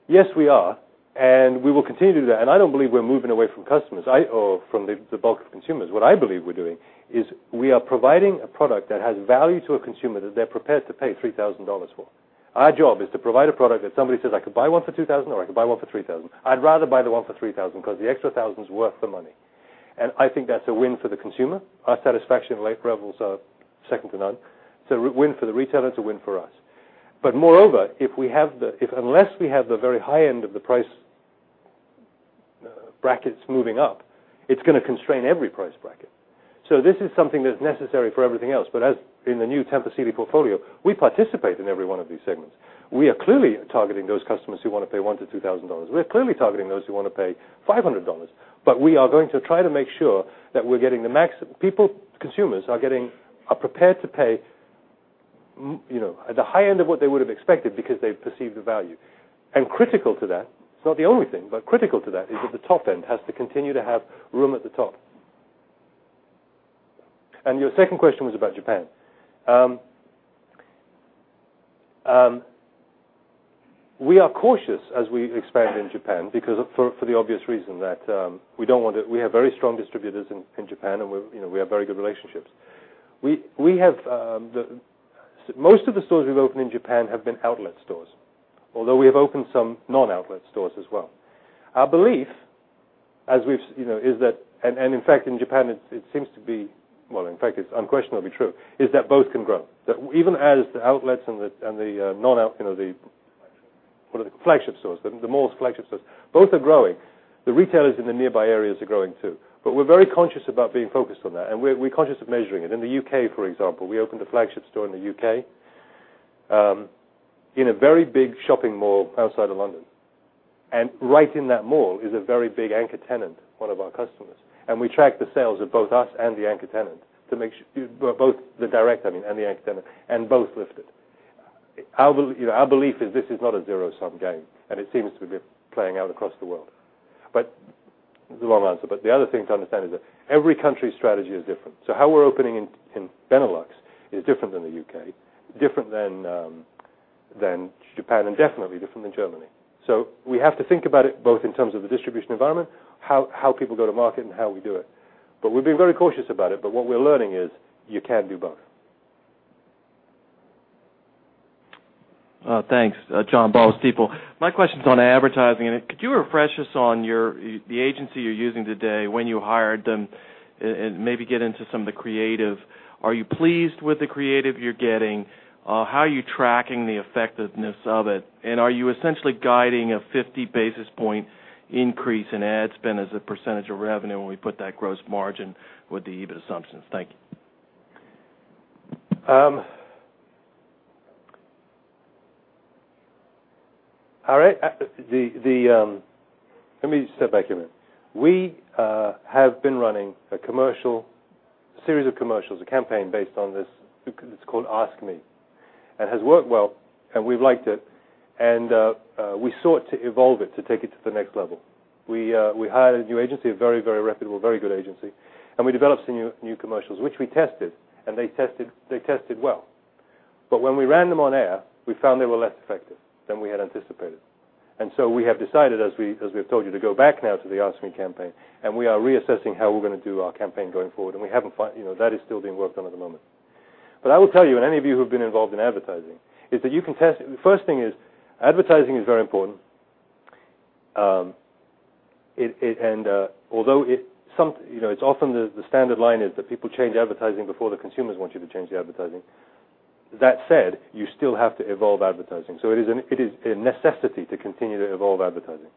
Yes, we are, and we will continue to do that. I don't believe we're moving away from customers or from the bulk of consumers. What I believe we're doing is we are providing a product that has value to a consumer that they're prepared to pay $3,000 for. Our job is to provide a product that somebody says, "I could buy one for $2,000 or I could buy one for $3,000. I'd rather buy the one for $3,000 because the extra thousand's worth the money." I think that's a win for the consumer. Our satisfaction levels are second to none. It's a win for the retailer. It's a win for us. Moreover, unless we have the very high end of the price brackets moving up, it's going to constrain every price bracket. This is something that's necessary for everything else. As in the new Tempur Sealy portfolio, we participate in every one of these segments. We are clearly targeting those customers who want to pay $1,000-$2,000. We're clearly targeting those who want to pay $500. We are going to try to make sure that consumers are prepared to pay at the high end of what they would have expected because they perceive the value. Critical to that, it's not the only thing, but critical to that is that the top end has to continue to have room at the top. Your second question was about Japan. We are cautious as we expand in Japan for the obvious reason that we have very strong distributors in Japan and we have very good relationships. Most of the stores we've opened in Japan have been outlet stores, although we have opened some non-outlet stores as well. Our belief is that, and in fact, in Japan, it seems to be unquestionably true, is that both can grow. Even as the outlets and the flagship stores, the malls flagship stores, both are growing. The retailers in the nearby areas are growing, too. We're very conscious about being focused on that, and we're conscious of measuring it. In the U.K., for example, we opened a flagship store in the U.K. in a very big shopping mall outside of London. Right in that mall is a very big anchor tenant, one of our customers. We tracked the sales of both us and the anchor tenant to make sure both the direct, I mean, and the anchor tenant, and both lifted. Our belief is this is not a zero-sum game, and it seems to be playing out across the world. The other thing to understand is that every country's strategy is different. How we're opening in Benelux is different than the U.K., different than Japan, and definitely different than Germany. We have to think about it both in terms of the distribution environment, how people go to market, and how we do it. We've been very cautious about it. What we're learning is you can do both. Thanks. John Baugh, Stifel. My question's on advertising, could you refresh us on the agency you're using today when you hired them and maybe get into some of the creative? Are you pleased with the creative you're getting? How are you tracking the effectiveness of it? Are you essentially guiding a 50 basis point increase in ad spend as a percentage of revenue when we put that gross margin with the EBIT assumptions? Thank you. All right. Let me step back a minute. We have been running a series of commercials, a campaign based on this. It's called "Ask Me." It has worked well, and we've liked it. We sought to evolve it, to take it to the next level. We hired a new agency, a very reputable, very good agency. We developed some new commercials, which we tested, and they tested well. When we ran them on air, we found they were less effective than we had anticipated. We have decided, as we have told you, to go back now to the "Ask Me" campaign, and we are reassessing how we're going to do our campaign going forward. That is still being worked on at the moment. I will tell you, and any of you who have been involved in advertising, the first thing is advertising is very important. Often, the standard line is that people change advertising before the consumers want you to change the advertising. That said, you still have to evolve advertising. It is a necessity to continue to evolve advertising.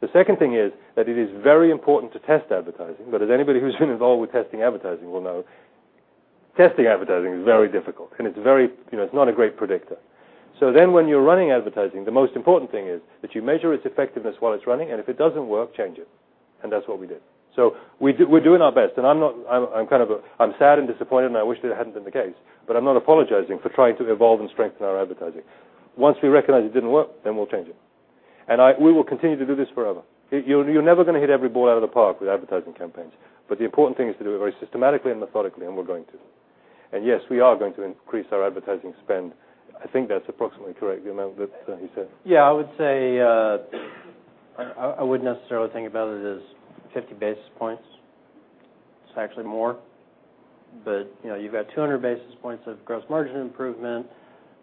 The second thing is that it is very important to test advertising. As anybody who's been involved with testing advertising will know, testing advertising is very difficult, and it's not a great predictor. When you're running advertising, the most important thing is that you measure its effectiveness while it's running, and if it doesn't work, change it. That's what we did. We're doing our best, and I'm sad and disappointed, and I wish that it hadn't been the case, but I'm not apologizing for trying to evolve and strengthen our advertising. Once we recognize it didn't work, we'll change it. We will continue to do this forever. You're never going to hit every ball out of the park with advertising campaigns, but the important thing is to do it very systematically and methodically, and we're going to. Yes, we are going to increase our advertising spend. I think that's approximately correct, the amount that he said. I wouldn't necessarily think about it as 50 basis points. It's actually more. You've got 200 basis points of gross margin improvement,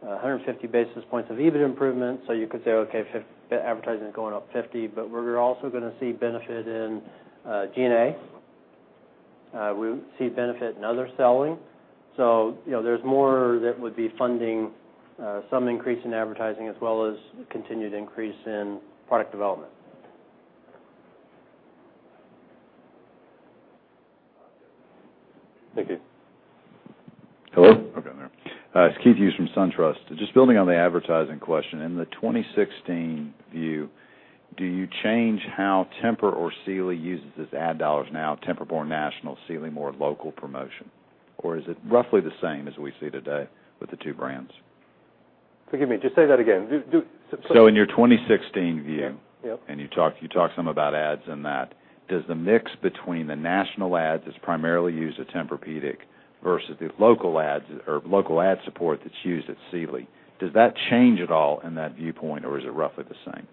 150 basis points of EBIT improvement. You could say, okay, advertising is going up 50, but we're also going to see benefit in G&A. We see benefit in other selling. There's more that would be funding some increase in advertising as well as continued increase in product development. Thank you. Hello? Okay, there. It is Keith Hughes from SunTrust. Just building on the advertising question. In the 2016 view, do you change how Tempur or Sealy uses its ad dollars now, Tempur more national, Sealy more local promotion? Or is it roughly the same as we see today with the two brands? Forgive me, just say that again. In your 2016 view. Yep. You talked some about ads in that. Does the mix between the national ads that is primarily used at Tempur-Pedic versus the local ad support that is used at Sealy, does that change at all in that viewpoint, or is it roughly the same?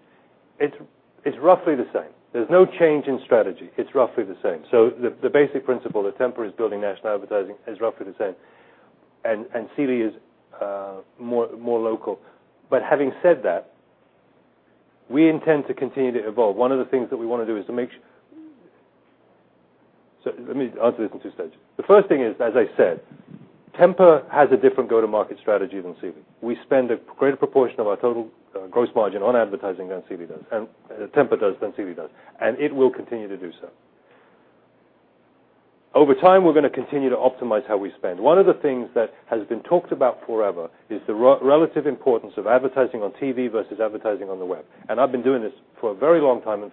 It's roughly the same. There's no change in strategy. It's roughly the same. The basic principle that Tempur is building national advertising is roughly the same, Sealy is more local. Having said that, we intend to continue to evolve. One of the things that we want to do is to let me answer this in 2 stages. The first thing is, as I said, Tempur has a different go-to-market strategy than Sealy. We spend a greater proportion of our total gross margin on advertising than Tempur does than Sealy does, and it will continue to do so. Over time, we're going to continue to optimize how we spend. One of the things that has been talked about forever is the relative importance of advertising on TV versus advertising on the web. I've been doing this for a very long time,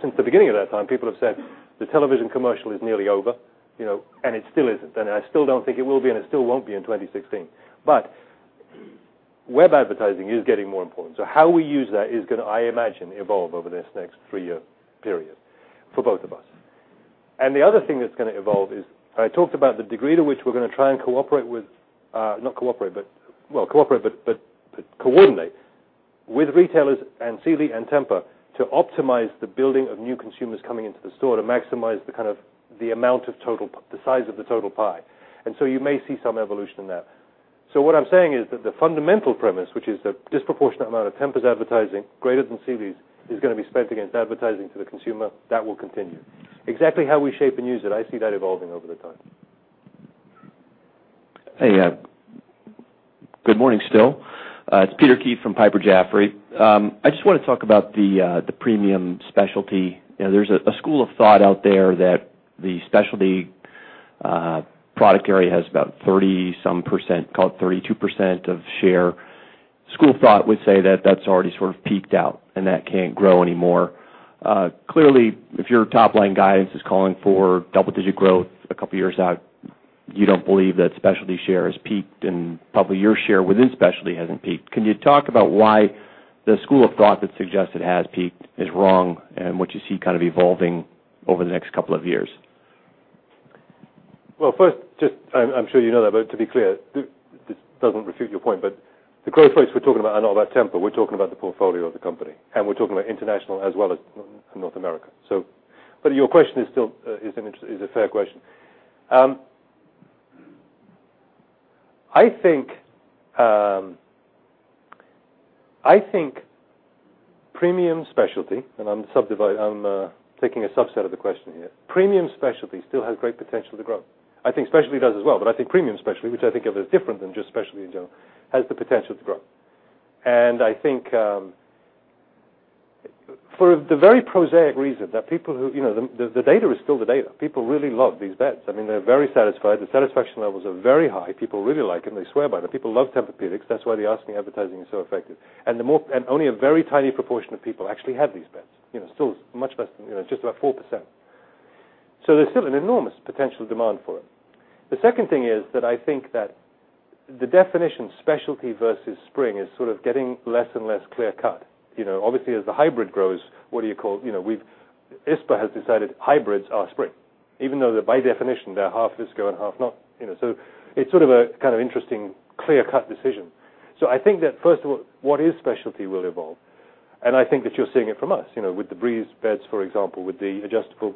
since the beginning of that time, people have said the television commercial is nearly over, it still isn't. I still don't think it will be, it still won't be in 2016. Web advertising is getting more important. How we use that is going to, I imagine, evolve over this next three-year period for both of us. The other thing that's going to evolve is I talked about the degree to which we're going to try and cooperate, but coordinate with retailers and Sealy and Tempur to optimize the building of new consumers coming into the store to maximize the size of the total pie. You may see some evolution in that. What I'm saying is that the fundamental premise, which is the disproportionate amount of Tempur's advertising, greater than Sealy's, is going to be spent against advertising to the consumer. That will continue. Exactly how we shape and use it, I see that evolving over the time. Hey. Good morning still. It's Peter Keith from Piper Jaffray. I just want to talk about the premium specialty. There's a school of thought out there that the specialty product area has about 30-some percent, call it 32% of share. School of thought would say that that's already sort of peaked out and that can't grow anymore. Clearly, if your top-line guidance is calling for double-digit growth a couple of years out, you don't believe that specialty share has peaked, probably your share within specialty hasn't peaked. Can you talk about why the school of thought that suggests it has peaked is wrong and what you see evolving over the next couple of years? First, I'm sure you know that, but to be clear, this doesn't refute your point, but the growth rates we're talking about are not about Tempur. We're talking about the portfolio of the company, and we're talking about international as well as North America. Your question is a fair question. I think premium specialty, and I'm taking a subset of the question here. Premium specialty still has great potential to grow. I think specialty does as well, but I think premium specialty, which I think of as different than just specialty in general, has the potential to grow. For the very prosaic reason that the data is still the data. People really love these beds. They're very satisfied. The satisfaction levels are very high. People really like them. They swear by them. People love Tempur-Pedics. That's why the Ask Me advertising is so effective. Only a very tiny proportion of people actually have these beds, still much less than just about 4%. There's still an enormous potential demand for it. The second thing is that I think that the definition specialty versus spring is sort of getting less and less clear-cut. Obviously, as the Hybrid grows, ISPA has decided Hybrids are spring, even though by definition they're half Visco and half not. It's sort of a kind of interesting, clear-cut decision. I think that first of all, what is specialty will evolve. I think that you're seeing it from us, with the Breeze beds, for example, with the adjustable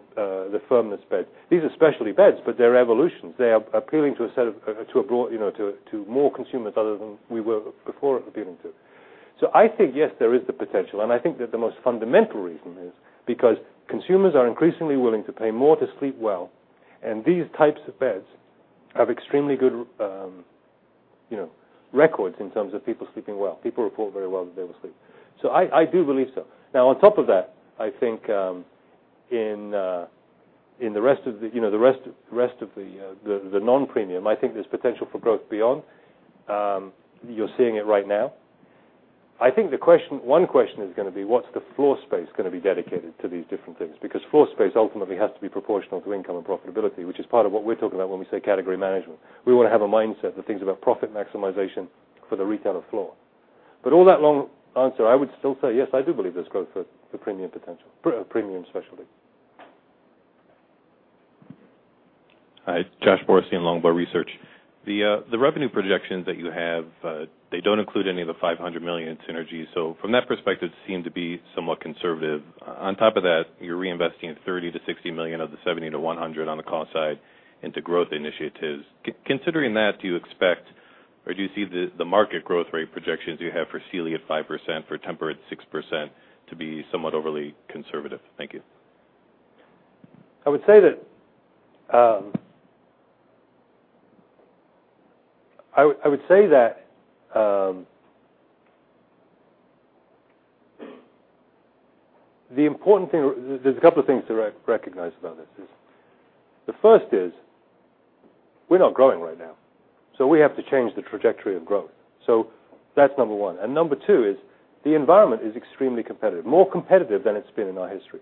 firmness bed. These are specialty beds, but they're evolutions. They are appealing to more consumers other than we were before appealing to. I think, yes, there is the potential, and I think that the most fundamental reason is because consumers are increasingly willing to pay more to sleep well, and these types of beds have extremely good records in terms of people sleeping well. People report very well that they will sleep. I do believe so. On top of that, I think in the rest of the non-premium, I think there's potential for growth beyond. You're seeing it right now. I think one question is going to be what's the floor space going to be dedicated to these different things? Because floor space ultimately has to be proportional to income and profitability, which is part of what we're talking about when we say category management. We want to have a mindset that thinks about profit maximization for the retailer floor. All that long answer, I would still say yes, I do believe there's growth for premium specialty. Hi, it's Josh Borstein, Longbow Research. The revenue projections that you have, they don't include any of the $500 million synergies. From that perspective, seem to be somewhat conservative. On top of that, you're reinvesting $30 million-$60 million of the $70 million-$100 million on the cost side into growth initiatives. Considering that, do you expect or do you see the market growth rate projections you have for Sealy at 5%, for Tempur at 6% to be somewhat overly conservative? Thank you. There's a couple of things to recognize about this. The first is we're not growing right now, we have to change the trajectory of growth. That's number one. Number two is the environment is extremely competitive, more competitive than it's been in our history.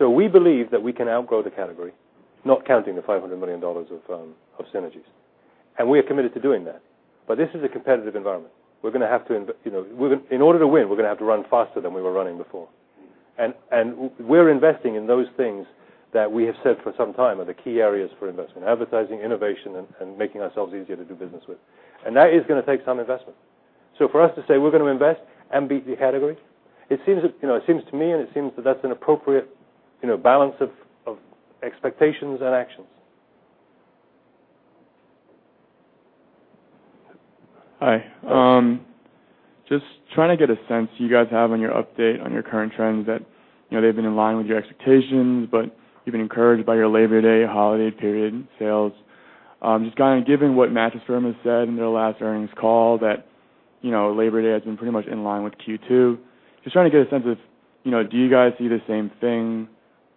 We believe that we can outgrow the category, not counting the $500 million of synergies. We are committed to doing that. This is a competitive environment. In order to win, we're going to have to run faster than we were running before. We're investing in those things that we have said for some time are the key areas for investment, advertising, innovation, and making ourselves easier to do business with. That is going to take some investment. For us to say we're going to invest and beat the category, it seems to me and it seems that that's an appropriate balance of expectations and actions. Hi. Just trying to get a sense you guys have on your update on your current trends that they've been in line with your expectations, but you've been encouraged by your Labor Day holiday period sales. Just given what Mattress Firm has said in their last earnings call that Labor Day has been pretty much in line with Q2, just trying to get a sense of do you guys see the same thing?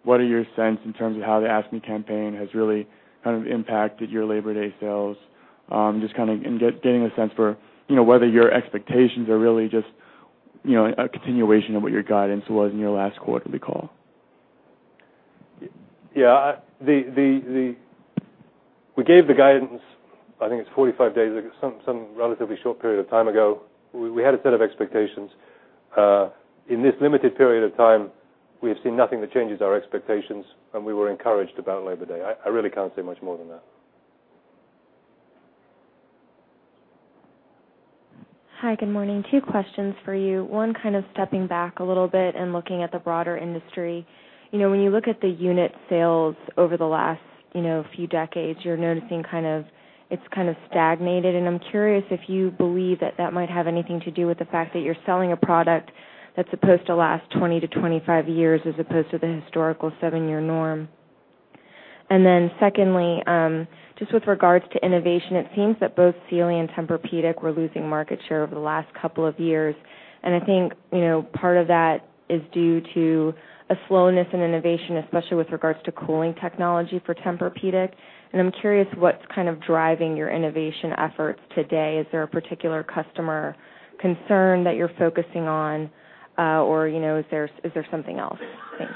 What are your sense in terms of how the Ask Me campaign has really impacted your Labor Day sales? Just getting a sense for whether your expectations are really just a continuation of what your guidance was in your last quarterly call. Yeah. We gave the guidance, I think it's 45 days, some relatively short period of time ago. We had a set of expectations. In this limited period of time, we have seen nothing that changes our expectations, and we were encouraged about Labor Day. I really can't say much more than that. Hi, good morning. Two questions for you. One, stepping back a little bit and looking at the broader industry. When you look at the unit sales over the last few decades, you're noticing it's stagnated, and I'm curious if you believe that that might have anything to do with the fact that you're selling a product that's supposed to last 20 to 25 years as opposed to the historical seven-year norm. Secondly, just with regards to innovation, it seems that both Sealy and Tempur-Pedic were losing market share over the last couple of years, and I think part of that is due to a slowness in innovation, especially with regards to cooling technology for Tempur-Pedic. I'm curious what's driving your innovation efforts today. Is there a particular customer concern that you're focusing on? Is there something else? Thanks.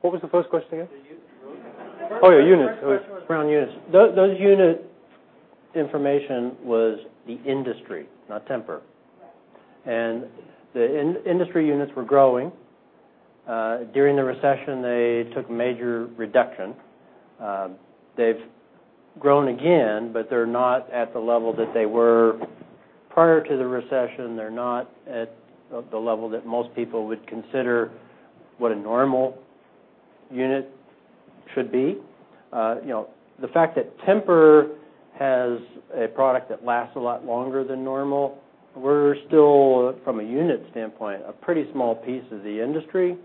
What was the first question again? The units. Oh, yeah, units. It was around units. Those unit information was the industry, not Tempur. The industry units were growing. During the recession, they took major reduction. They've grown again, they're not at the level that they were prior to the recession. They're not at the level that most people would consider what a normal unit should be. The fact that Tempur has a product that lasts a lot longer than normal, we're still, from a unit standpoint, a pretty small piece of the industry.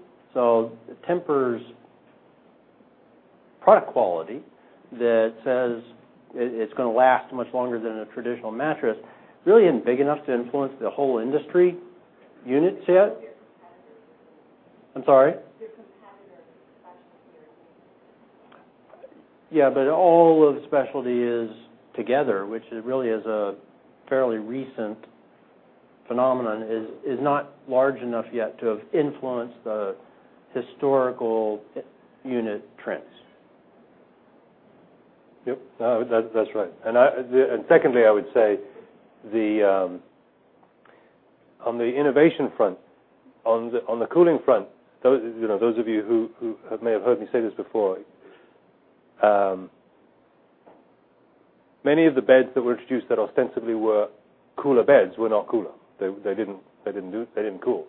Product quality that says it's going to last much longer than a traditional mattress really isn't big enough to influence the whole industry units yet. I'm sorry? Yeah, all of specialty is together, which really is a fairly recent phenomenon, is not large enough yet to have influenced the historical unit trends. Yep. No, that's right. Secondly, I would say on the innovation front, on the cooling front, those of you who may have heard me say this before. Many of the beds that were introduced that ostensibly were cooler beds were not cooler. They didn't cool.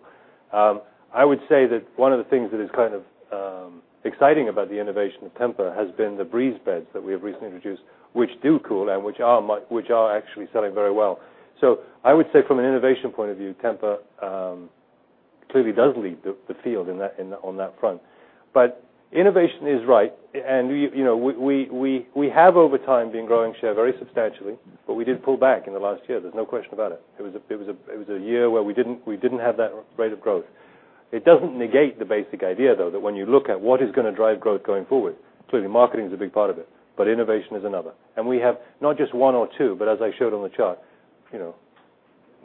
I would say that one of the things that is kind of exciting about the innovation of Tempur has been the TEMPUR-breeze beds that we have recently introduced, which do cool and which are actually selling very well. I would say from an innovation point of view, Tempur clearly does lead the field on that front. Innovation is right, and we have, over time, been growing share very substantially, but we did pull back in the last year. There's no question about it. It was a year where we didn't have that rate of growth. It doesn't negate the basic idea, though, that when you look at what is going to drive growth going forward, clearly, marketing is a big part of it, but innovation is another. We have not just one or two, but as I showed on the chart,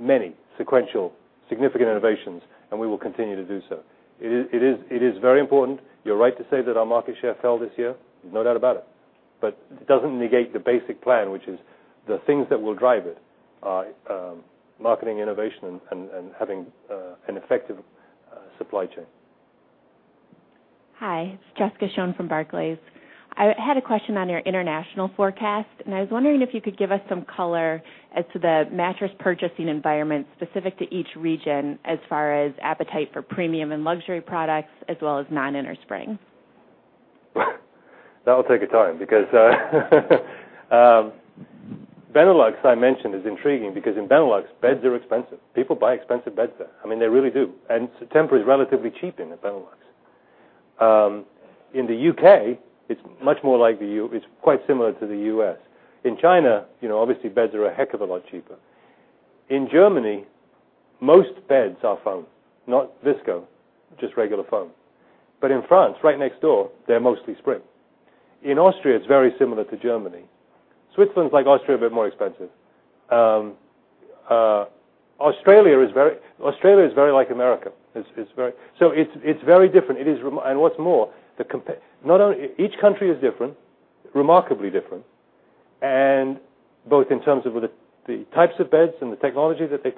many sequential significant innovations, and we will continue to do so. It is very important. You're right to say that our market share fell this year, no doubt about it. It doesn't negate the basic plan, which is the things that will drive it are marketing innovation and having an effective supply chain. Hi, it's Jessica Schoen from Barclays. I had a question on your international forecast, and I was wondering if you could give us some color as to the mattress purchasing environment specific to each region as far as appetite for premium and luxury products, as well as non-innerspring. That'll take a time because Benelux, I mentioned, is intriguing because in Benelux, beds are expensive. People buy expensive beds there. They really do. Tempur is relatively cheap in the Benelux. In the U.K., it's quite similar to the U.S. In China, obviously beds are a heck of a lot cheaper. In Germany, most beds are foam. Not Visco, just regular foam. In France, right next door, they're mostly spring. In Austria, it's very similar to Germany. Switzerland's like Austria, a bit more expensive. Australia is very like America. It's very different. What's more, each country is different, remarkably different, both in terms of the types of beds and the technology that they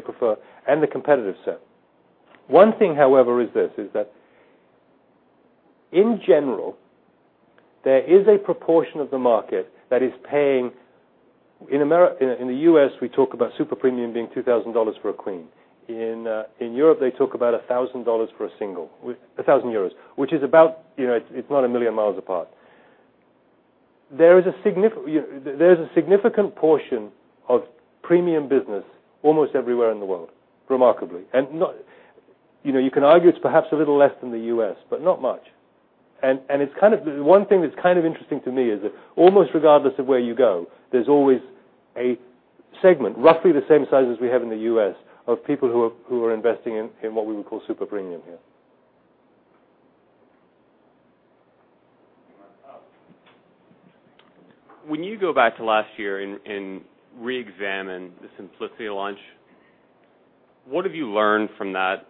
prefer, and the competitive set. One thing, however, is this, is that in general, there is a proportion of the market that is paying In the U.S., we talk about super premium being $2,000 for a queen. In Europe, they talk about €1,000 for a single, which is about, it's not a million miles apart. There is a significant portion of premium business almost everywhere in the world, remarkably. You can argue it's perhaps a little less than the U.S., but not much. One thing that's interesting to me is that almost regardless of where you go, there's always a segment, roughly the same size as we have in the U.S., of people who are investing in what we would call super premium here. When you go back to last year and reexamine the Simplicity launch, what have you learned from that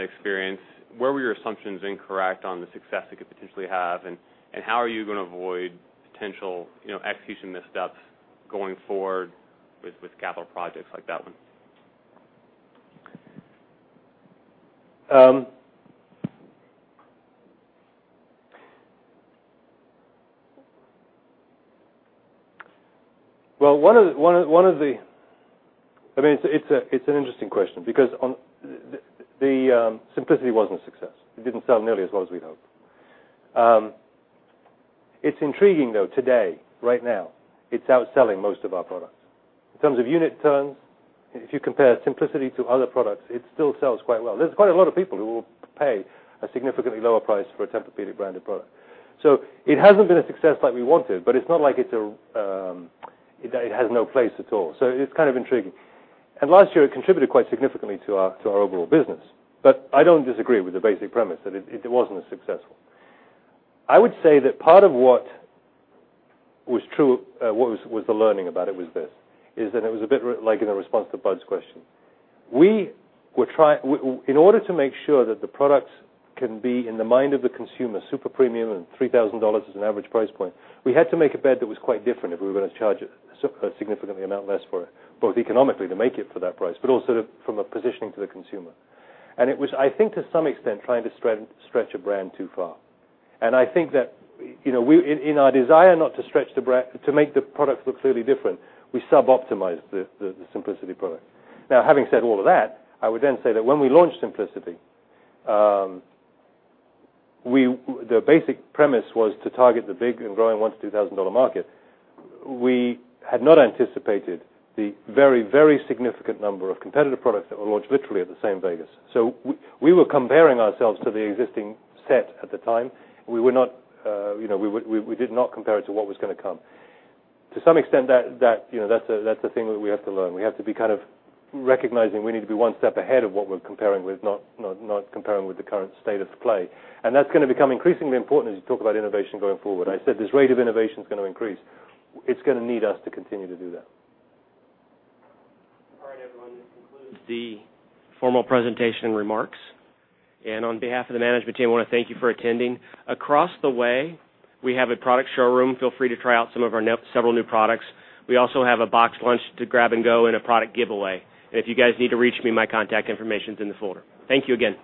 experience? Where were your assumptions incorrect on the success it could potentially have, and how are you going to avoid potential execution missteps going forward with capital projects like that one? It's an interesting question because the Simplicity wasn't a success. It didn't sell nearly as well as we'd hoped. It's intriguing, though, today, right now, it's outselling most of our products. In terms of unit turns, if you compare Simplicity to other products, it still sells quite well. There's quite a lot of people who will pay a significantly lower price for a Tempur-Pedic branded product. It hasn't been a success like we wanted, but it's not like it has no place at all. It's kind of intriguing. Last year, it contributed quite significantly to our overall business. I don't disagree with the basic premise that it wasn't as successful. I would say that part of what was the learning about it was this, is that it was a bit like in a response to Bud's question. In order to make sure that the products can be in the mind of the consumer, super premium and $3,000 as an average price point, we had to make a bed that was quite different if we were going to charge a significant amount less for it. Both economically to make it for that price, but also from a positioning to the consumer. It was, I think, to some extent, trying to stretch a brand too far. I think that in our desire not to stretch the brand, to make the product look clearly different, we suboptimized the Simplicity product. Now, having said all of that, I would then say that when we launched Simplicity, the basic premise was to target the big and growing $1,000-$2,000 market. We had not anticipated the very significant number of competitive products that were launched literally at the same Vegas. We were comparing ourselves to the existing set at the time. We did not compare it to what was going to come. To some extent, that's the thing that we have to learn. We have to be recognizing we need to be one step ahead of what we're comparing with, not comparing with the current state of play. That's going to become increasingly important as you talk about innovation going forward. I said this rate of innovation is going to increase. It's going to need us to continue to do that. All right, everyone. This concludes the formal presentation remarks. On behalf of the management team, I want to thank you for attending. Across the way, we have a product showroom. Feel free to try out some of our several new products. We also have a boxed lunch to grab and go and a product giveaway. If you guys need to reach me, my contact information is in the folder. Thank you again.